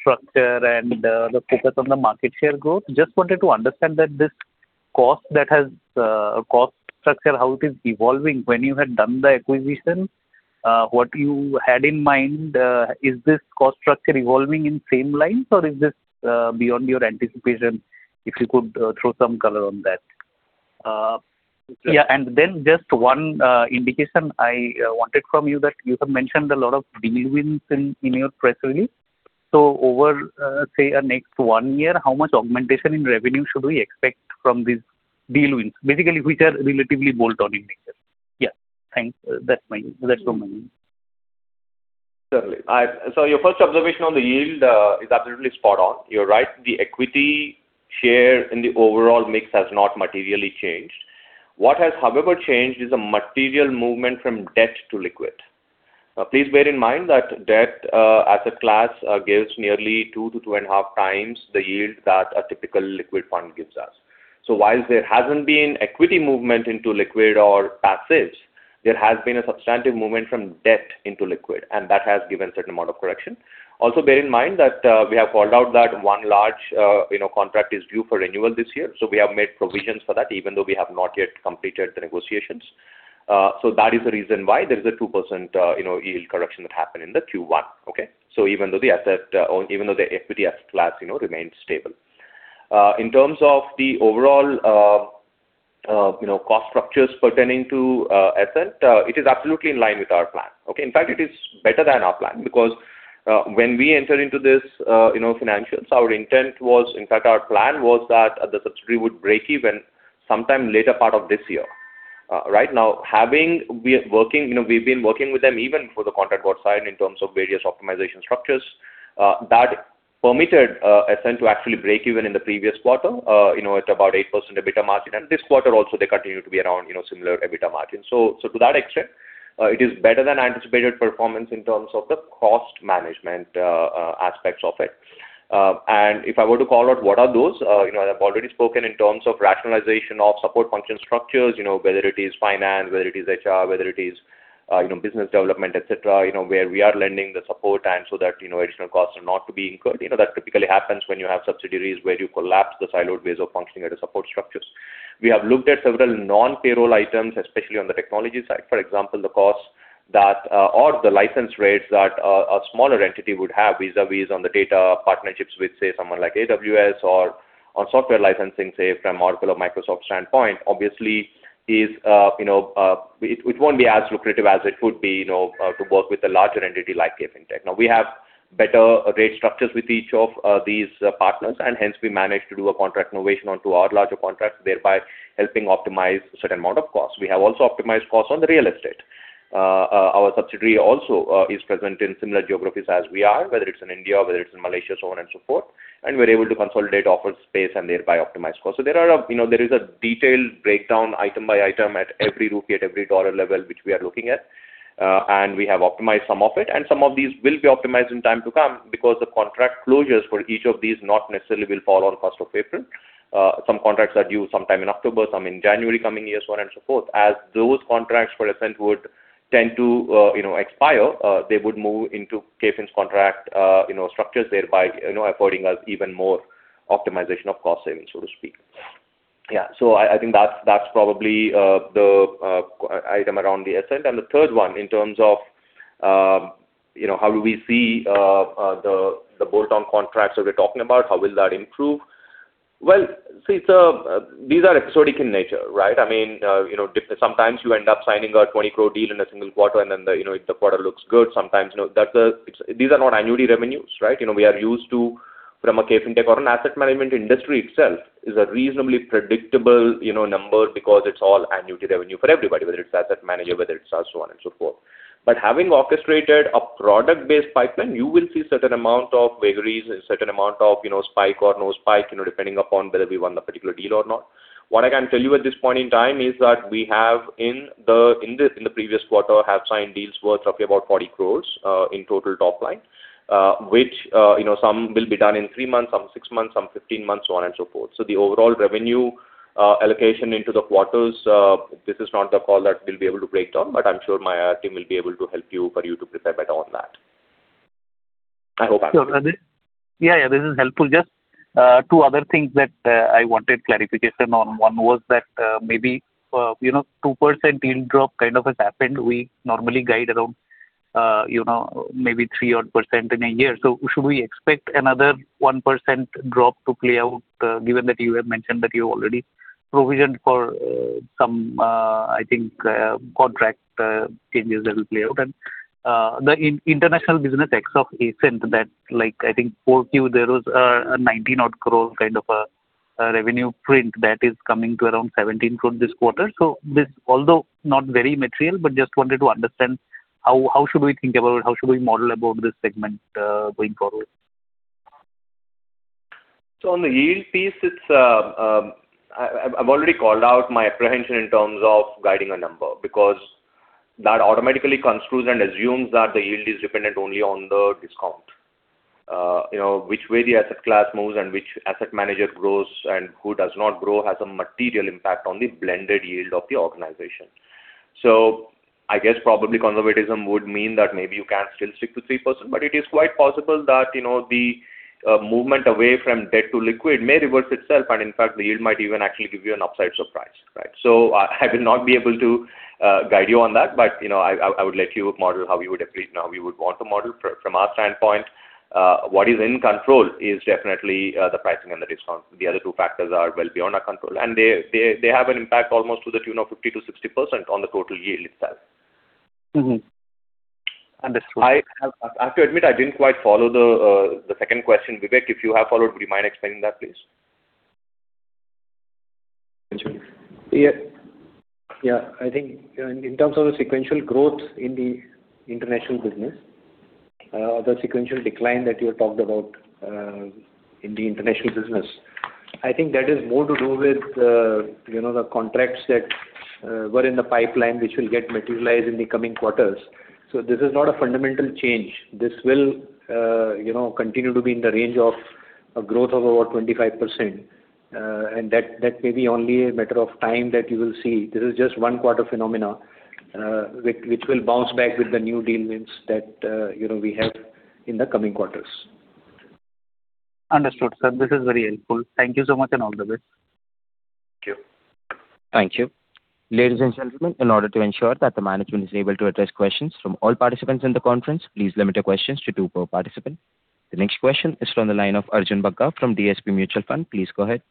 structure and the focus on the market share growth. Just wanted to understand that this cost structure, how it is evolving. When you had done the acquisition, what you had in mind. Is this cost structure evolving in same lines, or is this beyond your anticipation? If you could throw some color on that. Sure. Yeah. Just one indication I wanted from you that you have mentioned a lot of deal wins in your press release. Over, say next one year, how much augmentation in revenue should we expect from these deal wins? Basically, which are relatively bolt-on in nature. Yeah. Thanks. That is from my end. Certainly. Your first observation on the yield is absolutely spot on. You are right, the equity share in the overall mix has not materially changed. What has, however, changed is a material movement from debt to liquid. Please bear in mind that debt asset class gives nearly two to two and a half times the yield that a typical liquid fund gives us. While there has not been equity movement into liquid or passives, there has been a substantive movement from debt into liquid, and that has given a certain amount of correction. Also, bear in mind that we have called out that one large contract is due for renewal this year. We have made provisions for that, even though we have not yet completed the negotiations. That is the reason why there is a 2% yield correction that happened in the Q1, okay? Even though the equity asset class remains stable. In terms of the overall cost structures pertaining to Ascent, it is absolutely in line with our plan. Okay? In fact, it is better than our plan, because when we enter into this financials, our intent was, in fact, our plan was that the subsidiary would break even sometime later part of this year. Right now, we have been working with them even before the contract got signed in terms of various optimization structures. That permitted Ascent to actually break even in the previous quarter at about 8% EBITDA margin and this quarter also they continue to be around similar EBITDA margin. To that extent, it is better than anticipated performance in terms of the cost management aspects of it. If I were to call out what are those, I have already spoken in terms of rationalization of support function structures, whether it is finance, whether it is HR, whether it is business development, et cetera where we are lending the support so that additional costs are not to be incurred. That typically happens when you have subsidiaries where you collapse the siloed ways of functioning at the support structures. We have looked at several non-payroll items, especially on the technology side. For example, the cost or the license rates that a smaller entity would have vis-a-vis on the data partnerships with, say, someone like AWS or on software licensing, say, from Oracle or Microsoft standpoint, obviously, it will not be as lucrative as it would be to work with a larger entity like KFin Technologies. We have better rate structures with each of these partners, hence we managed to do a contract innovation onto our larger contracts, thereby helping optimize certain amount of costs. We have also optimized costs on the real estate. Our subsidiary also is present in similar geographies as we are, whether it is in India, whether it is in Malaysia, so on and so forth, and we are able to consolidate office space and thereby optimize costs. There is a detailed breakdown item by item at every rupee, at every dollar level, which we are looking at. We have optimized some of it, and some of these will be optimized in time to come because the contract closures for each of these not necessarily will fall on 1st of April. Some contracts are due sometime in October, some in January coming year, so on and so forth. As those contracts for Ascent would tend to expire they would move into KFin's contract structures, thereby affording us even more optimization of cost savings, so to speak. I think that's probably the item around the Ascent. The third one in terms of how do we see the bolt-on contracts that we are talking about, how will that improve? These are exotic in nature, right? Sometimes you end up signing an 20 crore deal in a single quarter, and then if the quarter looks good, sometimes these are not annuity revenues, right? We are used to, from a KFin Technologies or an asset management industry itself, is a reasonably predictable number because it is all annuity revenue for everybody, whether it is asset manager, whether it is us, so on and so forth. Having orchestrated a product-based pipeline, you will see certain amount of vagaries, certain amount of spike or no spike, depending upon whether we won the particular deal or not. What I can tell you at this point in time is that we have, in the previous quarter, have signed deals worth roughly about 40 crore in total top line which some will be done in three months, some six months, some 15 months, so on and so forth. The overall revenue allocation into the quarters this is not the call that we will be able to break down, but I am sure my team will be able to help you for you to prepare better on that. I hope I answered. This is helpful. Just two other things that I wanted clarification on. One was that maybe 2% yield drop kind of has happened. We normally guide around maybe 3% odd in a year. Should we expect another 1% drop to play out given that you have mentioned that you already provisioned for some, I think, contract changes that will play out? The international business ex of Ascent that I think 4Q there was an 19 crore kind of a revenue print that is coming to around 17 crore this quarter. This, although not very material, just wanted to understand how should we think about, how should we model about this segment going forward? On the yield piece, I've already called out my apprehension in terms of guiding a number because that automatically concludes and assumes that the yield is dependent only on the discount. Which way the asset class moves and which asset manager grows and who does not grow has a material impact on the blended yield of the organization. I guess probably conservatism would mean that maybe you can still stick to 3%, but it is quite possible that the movement away from debt to liquid may reverse itself, and in fact, the yield might even actually give you an upside surprise, right? I will not be able to guide you on that, but I would let you model how you would want to model. From our standpoint, what is in control is definitely the pricing and the discount. The other two factors are well beyond our control, and they have an impact almost to the tune of 50%-60% on the total yield itself. Understood. I have to admit, I didn't quite follow the second question. Vivek, if you have followed, would you mind explaining that, please? Yeah. I think in terms of the sequential growth in the international business, the sequential decline that you have talked about in the international business, I think that is more to do with the contracts that were in the pipeline, which will get materialized in the coming quarters. This is not a fundamental change. This will continue to be in the range of a growth of over 25%. That may be only a matter of time that you will see. This is just one quarter phenomena which will bounce back with the new deal wins that we have in the coming quarters. Understood, sir. This is very helpful. Thank you so much and all the best. Thank you. Thank you. Ladies and gentlemen, in order to ensure that the management is able to address questions from all participants in the conference, please limit your questions to two per participant. The next question is from the line of Arjun Bagga from DSP Mutual Fund. Please go ahead.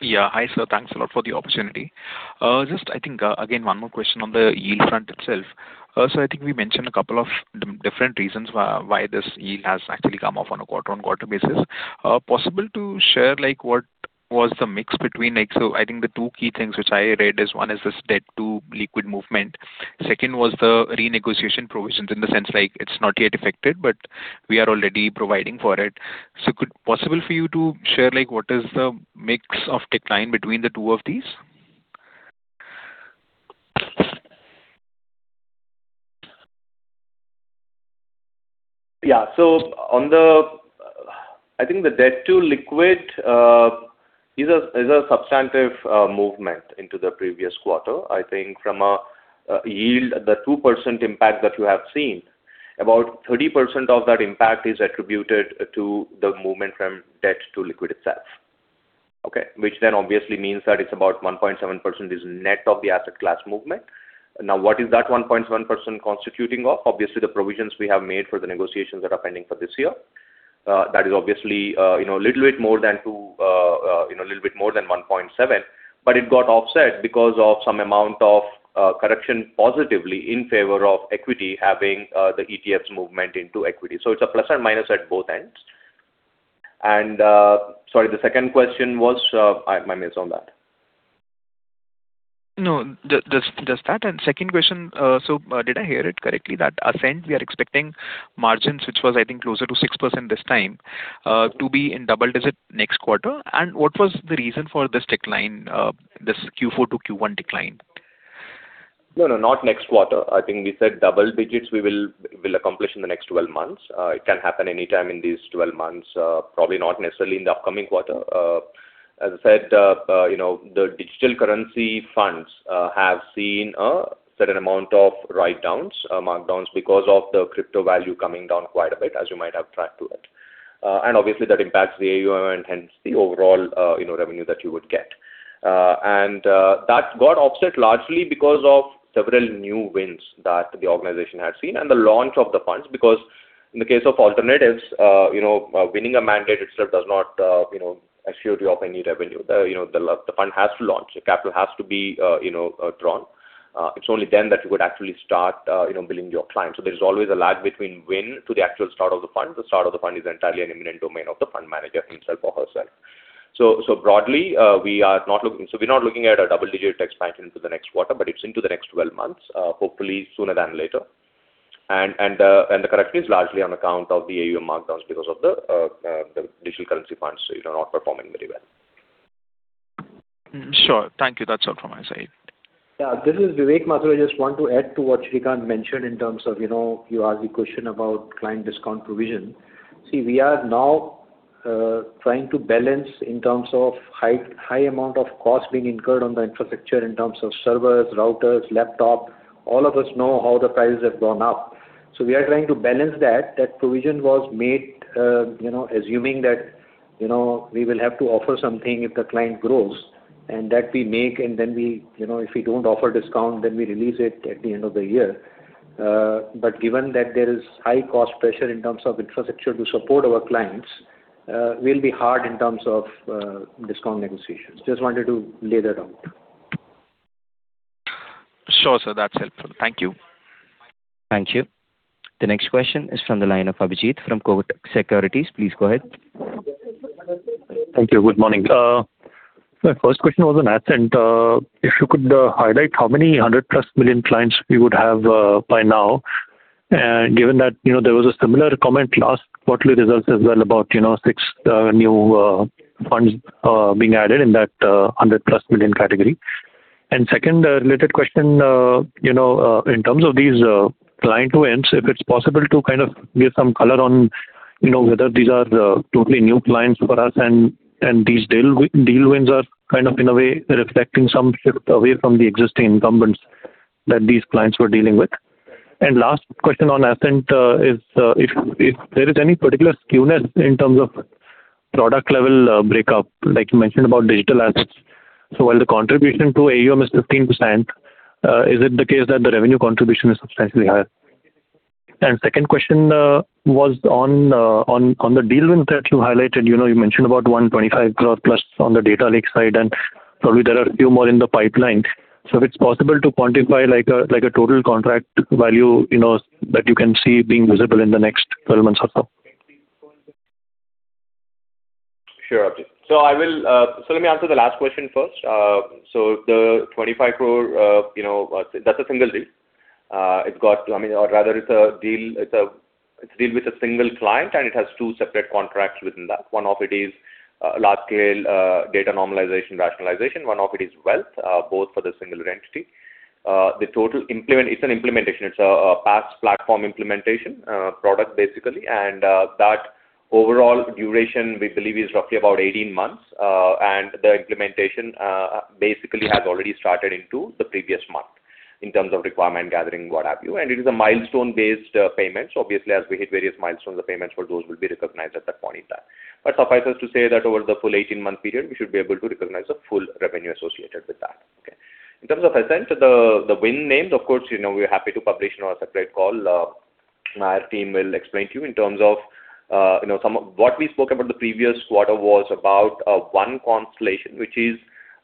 Hi, sir. Thanks a lot for the opportunity. I think, again, one more question on the yield front itself. I think we mentioned a couple of different reasons why this yield has actually come off on a quarter-on-quarter basis. Possible to share what was the mix. I think the two key things which I read is one is this debt-to-liquid movement. Second was the renegotiation provisions in the sense like it's not yet affected, but we are already providing for it. Possible for you to share what is the mix of decline between the two of these? I think the debt-to-liquid is a substantive movement into the previous quarter. I think from a yield, the 2% impact that you have seen, about 30% of that impact is attributed to the movement from debt to liquid itself. Which obviously means that it's about 1.7% is net of the asset class movement. What is that 1.7% constituting of? Obviously, the provisions we have made for the negotiations that are pending for this year. That is obviously a little bit more than 1.7%, but it got offset because of some amount of correction positively in favor of equity having the ETFs movement into equity. It's a plus and minus at both ends. Sorry, the second question was? I missed on that. Just that. Second question, did I hear it correctly that Ascent, we are expecting margins, which was, I think, closer to 6% this time to be in double digit next quarter? What was the reason for this Q4-Q1 decline? Not next quarter. I think we said double digits we will accomplish in the next 12 months. It can happen anytime in these 12 months. Probably not necessarily in the upcoming quarter. As I said, the digital currency funds have seen a certain amount of write downs, markdowns because of the crypto value coming down quite a bit as you might have tracked to it. Obviously that impacts the AUM and hence the overall revenue that you would get. That got offset largely because of several new wins that the organization had seen and the launch of the funds. In the case of alternatives, winning a mandate itself does not assure you of any revenue. The fund has to launch. The capital has to be drawn. It's only then that you would actually start billing your client. There's always a lag between win to the actual start of the fund. The start of the fund is entirely an imminent domain of the fund manager himself or herself. Broadly, we're not looking at a double-digit expansion into the next quarter, but it's into the next 12 months, hopefully sooner than later. The correction is largely on account of the AUM markdowns because of the digital currency funds not performing very well. Sure. Thank you. That's all from my side. This is Vivek, I just want to add to what Sreekanth mentioned in terms of, you asked the question about client discount provision. We are now trying to balance in terms of high amount of cost being incurred on the infrastructure in terms of servers, routers, laptop. All of us know how the prices have gone up. We are trying to balance that. That provision was made assuming that we will have to offer something if the client grows and that we make and then if we don't offer discount, then we release it at the end of the year. Given that there is high cost pressure in terms of infrastructure to support our clients, will be hard in terms of discount negotiations. Just wanted to lay that out. Sure, sir. That's helpful. Thank you. Thank you. The next question is from the line of Abhijeet Sakhare from Kotak Securities. Please go ahead. Thank you. Good morning. My first question was on Ascent. If you could highlight how many 100-plus million clients we would have by now, given that there was a similar comment last quarterly results as well about six new funds being added in that 100 million+ category. Second related question, in terms of these client wins, if it's possible to kind of give some color on whether these are totally new clients for us and these deal wins are kind of in a way reflecting some shift away from the existing incumbents that these clients were dealing with. Last question on Ascent is if there is any particular skewness in terms of product-level breakup, like you mentioned about digital assets. While the contribution to AUM is 15%, is it the case that the revenue contribution is substantially higher? Second question was on the deal win that you highlighted. You mentioned about 125 crore+ on the data lake side, and probably there are a few more in the pipeline. If it's possible to quantify a total contract value that you can see being visible in the next 12 months or so. Sure, Abhijeet. Let me answer the last question first. The 25 crore, that's a single deal. Rather, it's a deal with a single client, and it has two separate contracts within that. One of it is large-scale data normalization, rationalization. One of it is wealth, both for the single entity. It's an implementation. It's a PaaS platform implementation product, basically. That overall duration, we believe, is roughly about 18 months. The implementation basically has already started into the previous month in terms of requirement gathering, what have you. It is a milestone-based payment. Obviously, as we hit various milestones, the payments for those will be recognized at that point in time. Suffice it to say that over the full 18-month period, we should be able to recognize the full revenue associated with that. Okay. In terms of Ascent, the win names, of course, we're happy to publish in our separate call. Our team will explain to you in terms of some of what we spoke about the previous quarter was about One Constellation, which is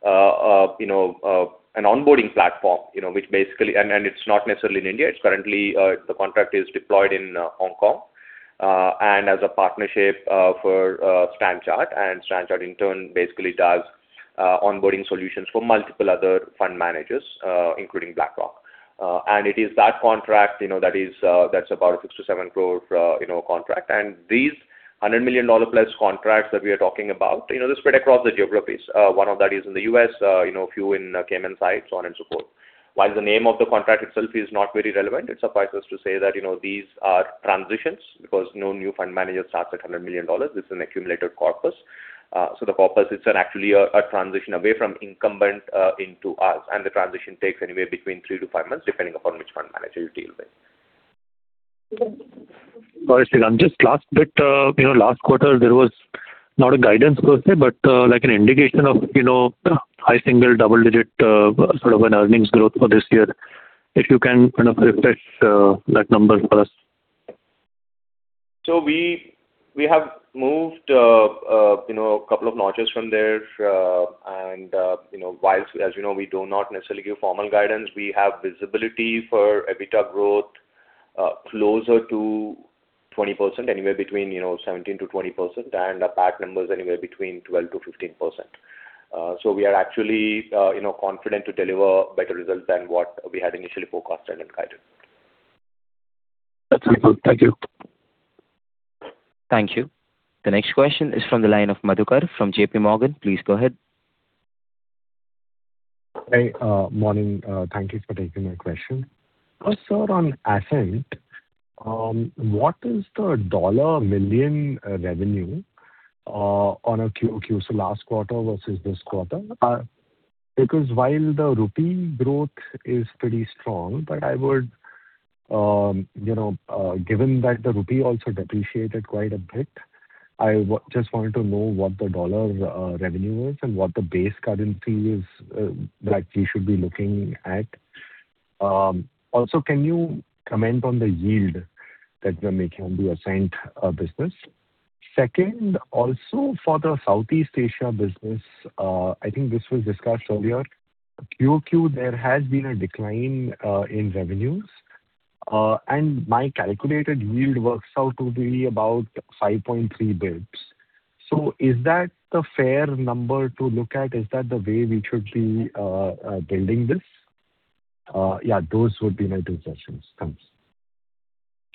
an onboarding platform. It's not necessarily in India. Currently, the contract is deployed in Hong Kong as a partnership for Standard Chartered, and Standard Chartered in turn basically does onboarding solutions for multiple other fund managers including BlackRock. It is that contract that's about a 6-7 crore contract. These $100 million+ contracts that we are talking about, they're spread across the geographies. One of that is in the U.S., a few in Cayman side, so on and so forth. While the name of the contract itself is not very relevant, it suffices to say that these are transitions because no new fund manager starts at $100 million. This is an accumulated corpus. The corpus is actually a transition away from incumbent into us, the transition takes anywhere between three to five months, depending upon which fund manager you deal with. Sorry, Sreekanth. Just last bit. Last quarter, there was not a guidance per se, but like an indication of high single, double-digit sort of an earnings growth for this year. If you can kind of refresh that number for us. We have moved a couple of notches from there. Whilst, as you know, we do not necessarily give formal guidance, we have visibility for EBITDA growth closer to 20%, anywhere between 17%-20%, and our PAT numbers anywhere between 12%-15%. We are actually confident to deliver better results than what we had initially forecasted and guided. That's very good. Thank you. Thank you. The next question is from the line of Madhukar Ladha from JPMorgan. Please go ahead. Hi. Morning. Thank you for taking my question. First, sir, on Ascent, what is the dollar million revenue on a QoQ, last quarter versus this quarter? Because while the INR growth is pretty strong, given that the INR also depreciated quite a bit, I just wanted to know what the dollar revenue is and what the base currency is that we should be looking at. Also, can you comment on the yield that can be assigned business? Second, also for the Southeast Asia business, I think this was discussed earlier. QoQ, there has been a decline in revenues, and my calculated yield works out to be about 5.3 basis points. Is that the fair number to look at? Is that the way we should be building this? Yeah, those would be my two questions. Thanks.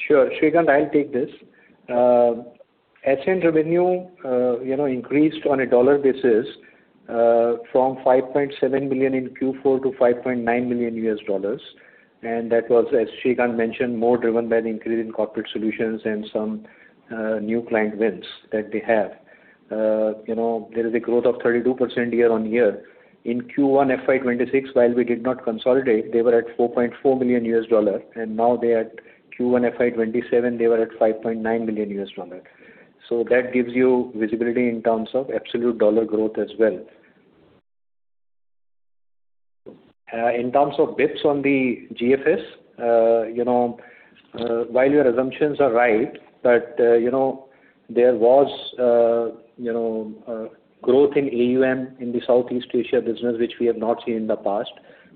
Sure. Sreekanth, I'll take this. Ascent revenue increased on a dollar basis from $5.7 million in Q4 to $5.9 million. That was, as Sreekanth mentioned, more driven by the increase in corporate solutions and some new client wins that they have. There is a growth of 32% year-on-year. In Q1 FY 2026, while we did not consolidate, they were at $4.4 million, and now they are at Q1 FY 2027, they were at $5.9 million. That gives you visibility in terms of absolute dollar growth as well. In terms of basis points on the GFS, while your assumptions are right, there was a growth in AUM in the Southeast Asia business, which we have not seen in the past.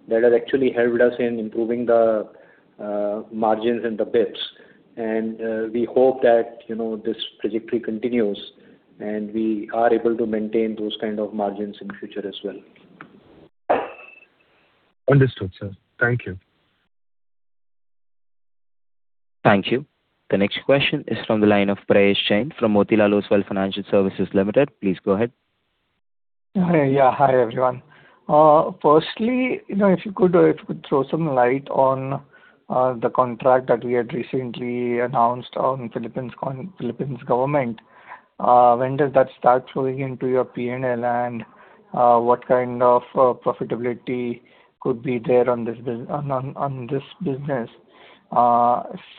That has actually helped us in improving the margins and the basis points. We hope that this trajectory continues, and we are able to maintain those kind of margins in the future as well. Understood, sir. Thank you. Thank you. The next question is from the line of Prayesh Jain from Motilal Oswal Financial Services Limited. Please go ahead. Yeah. Hi, everyone. Firstly, if you could throw some light on the contract that we had recently announced on Philippines government. When does that start flowing into your P&L, and what kind of profitability could be there on this business?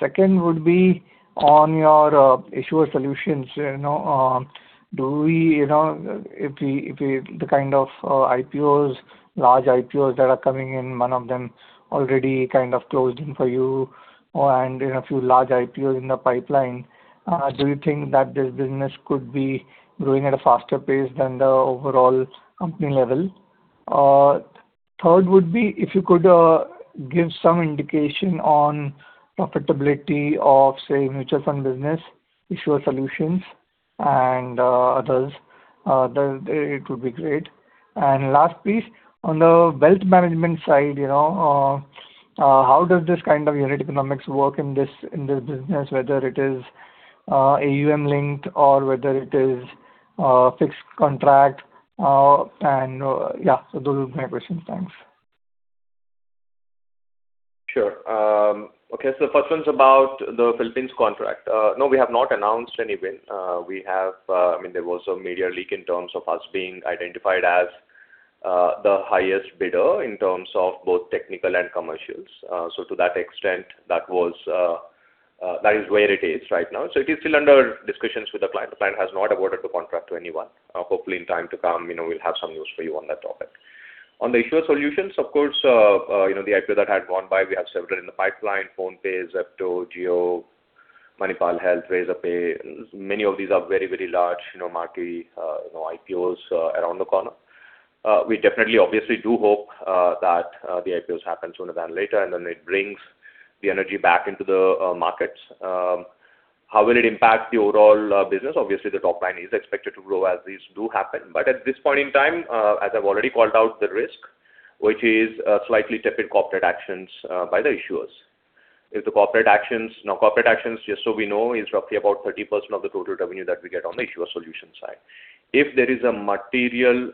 Second would be on your issuer solutions. The kind of large IPOs that are coming in, one of them already kind of closed in for you and a few large IPOs in the pipeline. Do you think that this business could be growing at a faster pace than the overall company level? Third would be if you could give some indication on profitability of, say, mutual fund business, issuer solutions and others, it would be great. Last piece, on the wealth management side, how does this kind of unit economics work in this business, whether it is AUM linked or whether it is fixed contract? Those are my questions. Thanks. Sure. Okay. The first one's about the Philippines contract. No, we have not announced any win. There was a media leak in terms of us being identified as the highest bidder in terms of both technical and commercials. To that extent, that is where it is right now. It is still under discussions with the client. The client has not awarded the contract to anyone. Hopefully, in time to come, we'll have some news for you on that topic. On the issuer solutions, of course, the IPO that had gone by, we have several in the pipeline, PhonePe, Zepto, Jio, Manipal Health, Razorpay. Many of these are very large marquee IPOs around the corner. We definitely obviously do hope that the IPOs happen sooner than later, and then it brings the energy back into the markets. How will it impact the overall business? Obviously, the top line is expected to grow as these do happen. At this point in time, as I've already called out the risk, which is slightly tepid corporate actions by the issuers. Corporate actions, just so we know, is roughly about 30% of the total revenue that we get on the issuer solutions side. If there is a material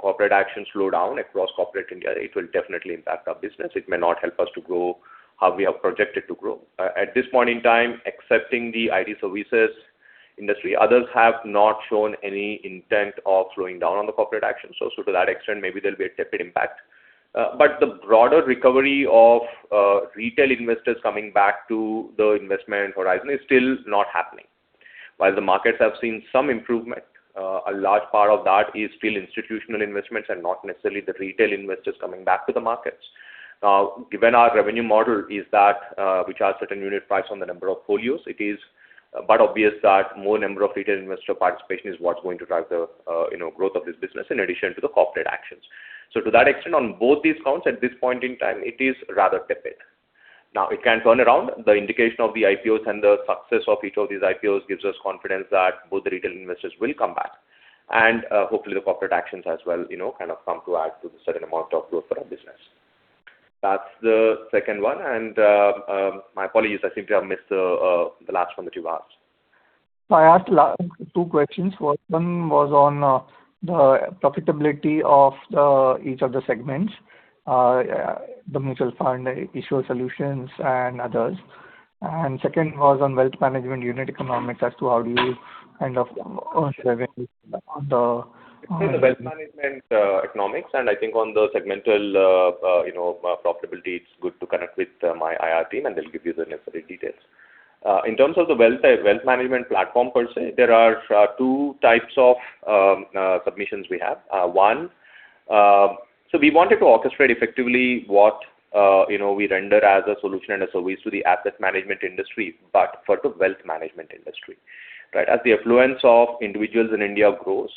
corporate action slowdown across corporate India, it will definitely impact our business. It may not help us to grow how we have projected to grow. At this point in time, excepting the IT services industry, others have not shown any intent of slowing down on the corporate action. To that extent, maybe there'll be a tepid impact. The broader recovery of retail investors coming back to the investment horizon is still not happening. While the markets have seen some improvement, a large part of that is still institutional investments and not necessarily the retail investors coming back to the markets. Given our revenue model, which has certain unit price on the number of folios, it is but obvious that more number of retail investor participation is what's going to drive the growth of this business in addition to the corporate actions. To that extent, on both these counts at this point in time, it is rather tepid. It can turn around. The indication of the IPOs and the success of each of these IPOs gives us confidence that both the retail investors will come back, and hopefully the corporate actions as well, kind of come to add to the certain amount of growth for our business. That's the second one. My apologies, I seem to have missed the last one that you asked. I asked two questions. One was on the profitability of each of the segments, the mutual fund, issuer solutions, and others. Second was on wealth management unit economics as to how do you kind of earn revenue on the. The wealth management economics, and I think on the segmental profitability, it's good to connect with my IR team, and they'll give you the necessary details. In terms of the wealth management platform per se, there are two types of submissions we have. One, so we wanted to orchestrate effectively what we render as a solution and a service to the asset management industry, but for the wealth management industry. Right? As the affluence of individuals in India grows,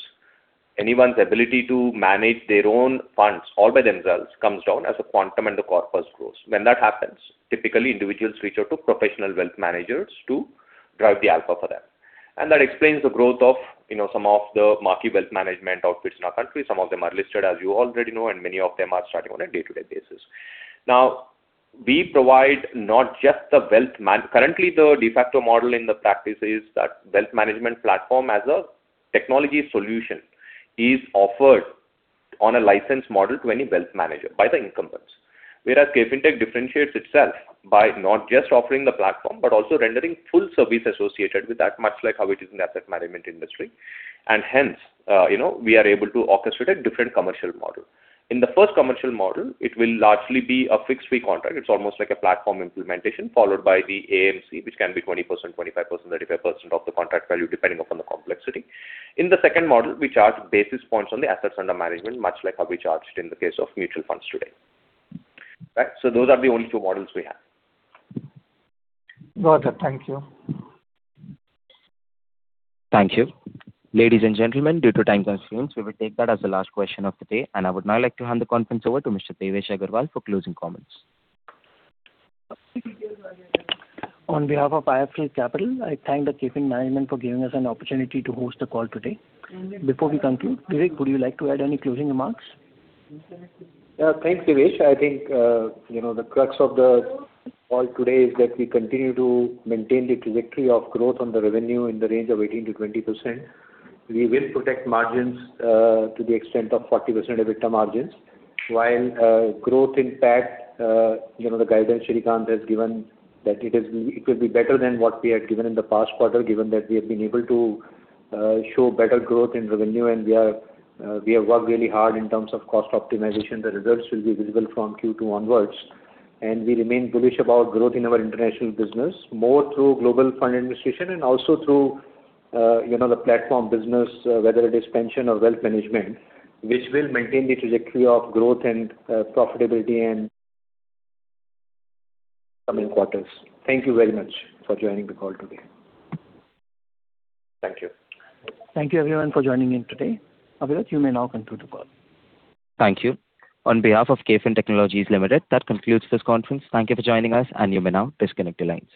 anyone's ability to manage their own funds all by themselves comes down as the quantum and the corpus grows. When that happens, typically, individuals reach out to professional wealth managers to drive the alpha for them. That explains the growth of some of the marquee wealth management outfits in our country. Some of them are listed, as you already know, and many of them are starting on a day-to-day basis. Currently, the de facto model in the practice is that wealth management platform as a technology solution is offered on a license model to any wealth manager by the incumbents. Whereas KFin Technologies differentiates itself by not just offering the platform, but also rendering full service associated with that, much like how it is in asset management industry. Hence, we are able to orchestrate a different commercial model. In the first commercial model, it will largely be a fixed-fee contract. It's almost like a platform implementation followed by the AMC, which can be 20%, 25%, 35% of the contract value, depending upon the complexity. In the second model, we charge basis points on the assets under management, much like how we charged in the case of mutual funds today. Right? Those are the only two models we have. Got it. Thank you. Thank you. Ladies and gentlemen, due to time constraints, we will take that as the last question of the day. I would now like to hand the conference over to Mr. Devesh Agarwal for closing comments. On behalf of IIFL Capital, I thank the KFin management for giving us an opportunity to host the call today. Before we conclude, Vivek, would you like to add any closing remarks? Thanks, Devesh. I think the crux of the call today is that we continue to maintain the trajectory of growth on the revenue in the range of 18%-20%. We will protect margins to the extent of 40% EBITDA margins. While growth impact, the guidance Sreekanth has given that it will be better than what we had given in the past quarter, given that we have been able to show better growth in revenue. We have worked really hard in terms of cost optimization. The results will be visible from Q2 onwards. We remain bullish about growth in our international business, more through global fund administration and also through the platform business, whether it is pension or wealth management, which will maintain the trajectory of growth and profitability in coming quarters. Thank you very much for joining the call today. Thank you. Thank you everyone for joining in today. Aviraj., you may now conclude the call. Thank you. On behalf of KFin Technologies Limited, that concludes this conference. Thank you for joining us, and you may now disconnect your lines.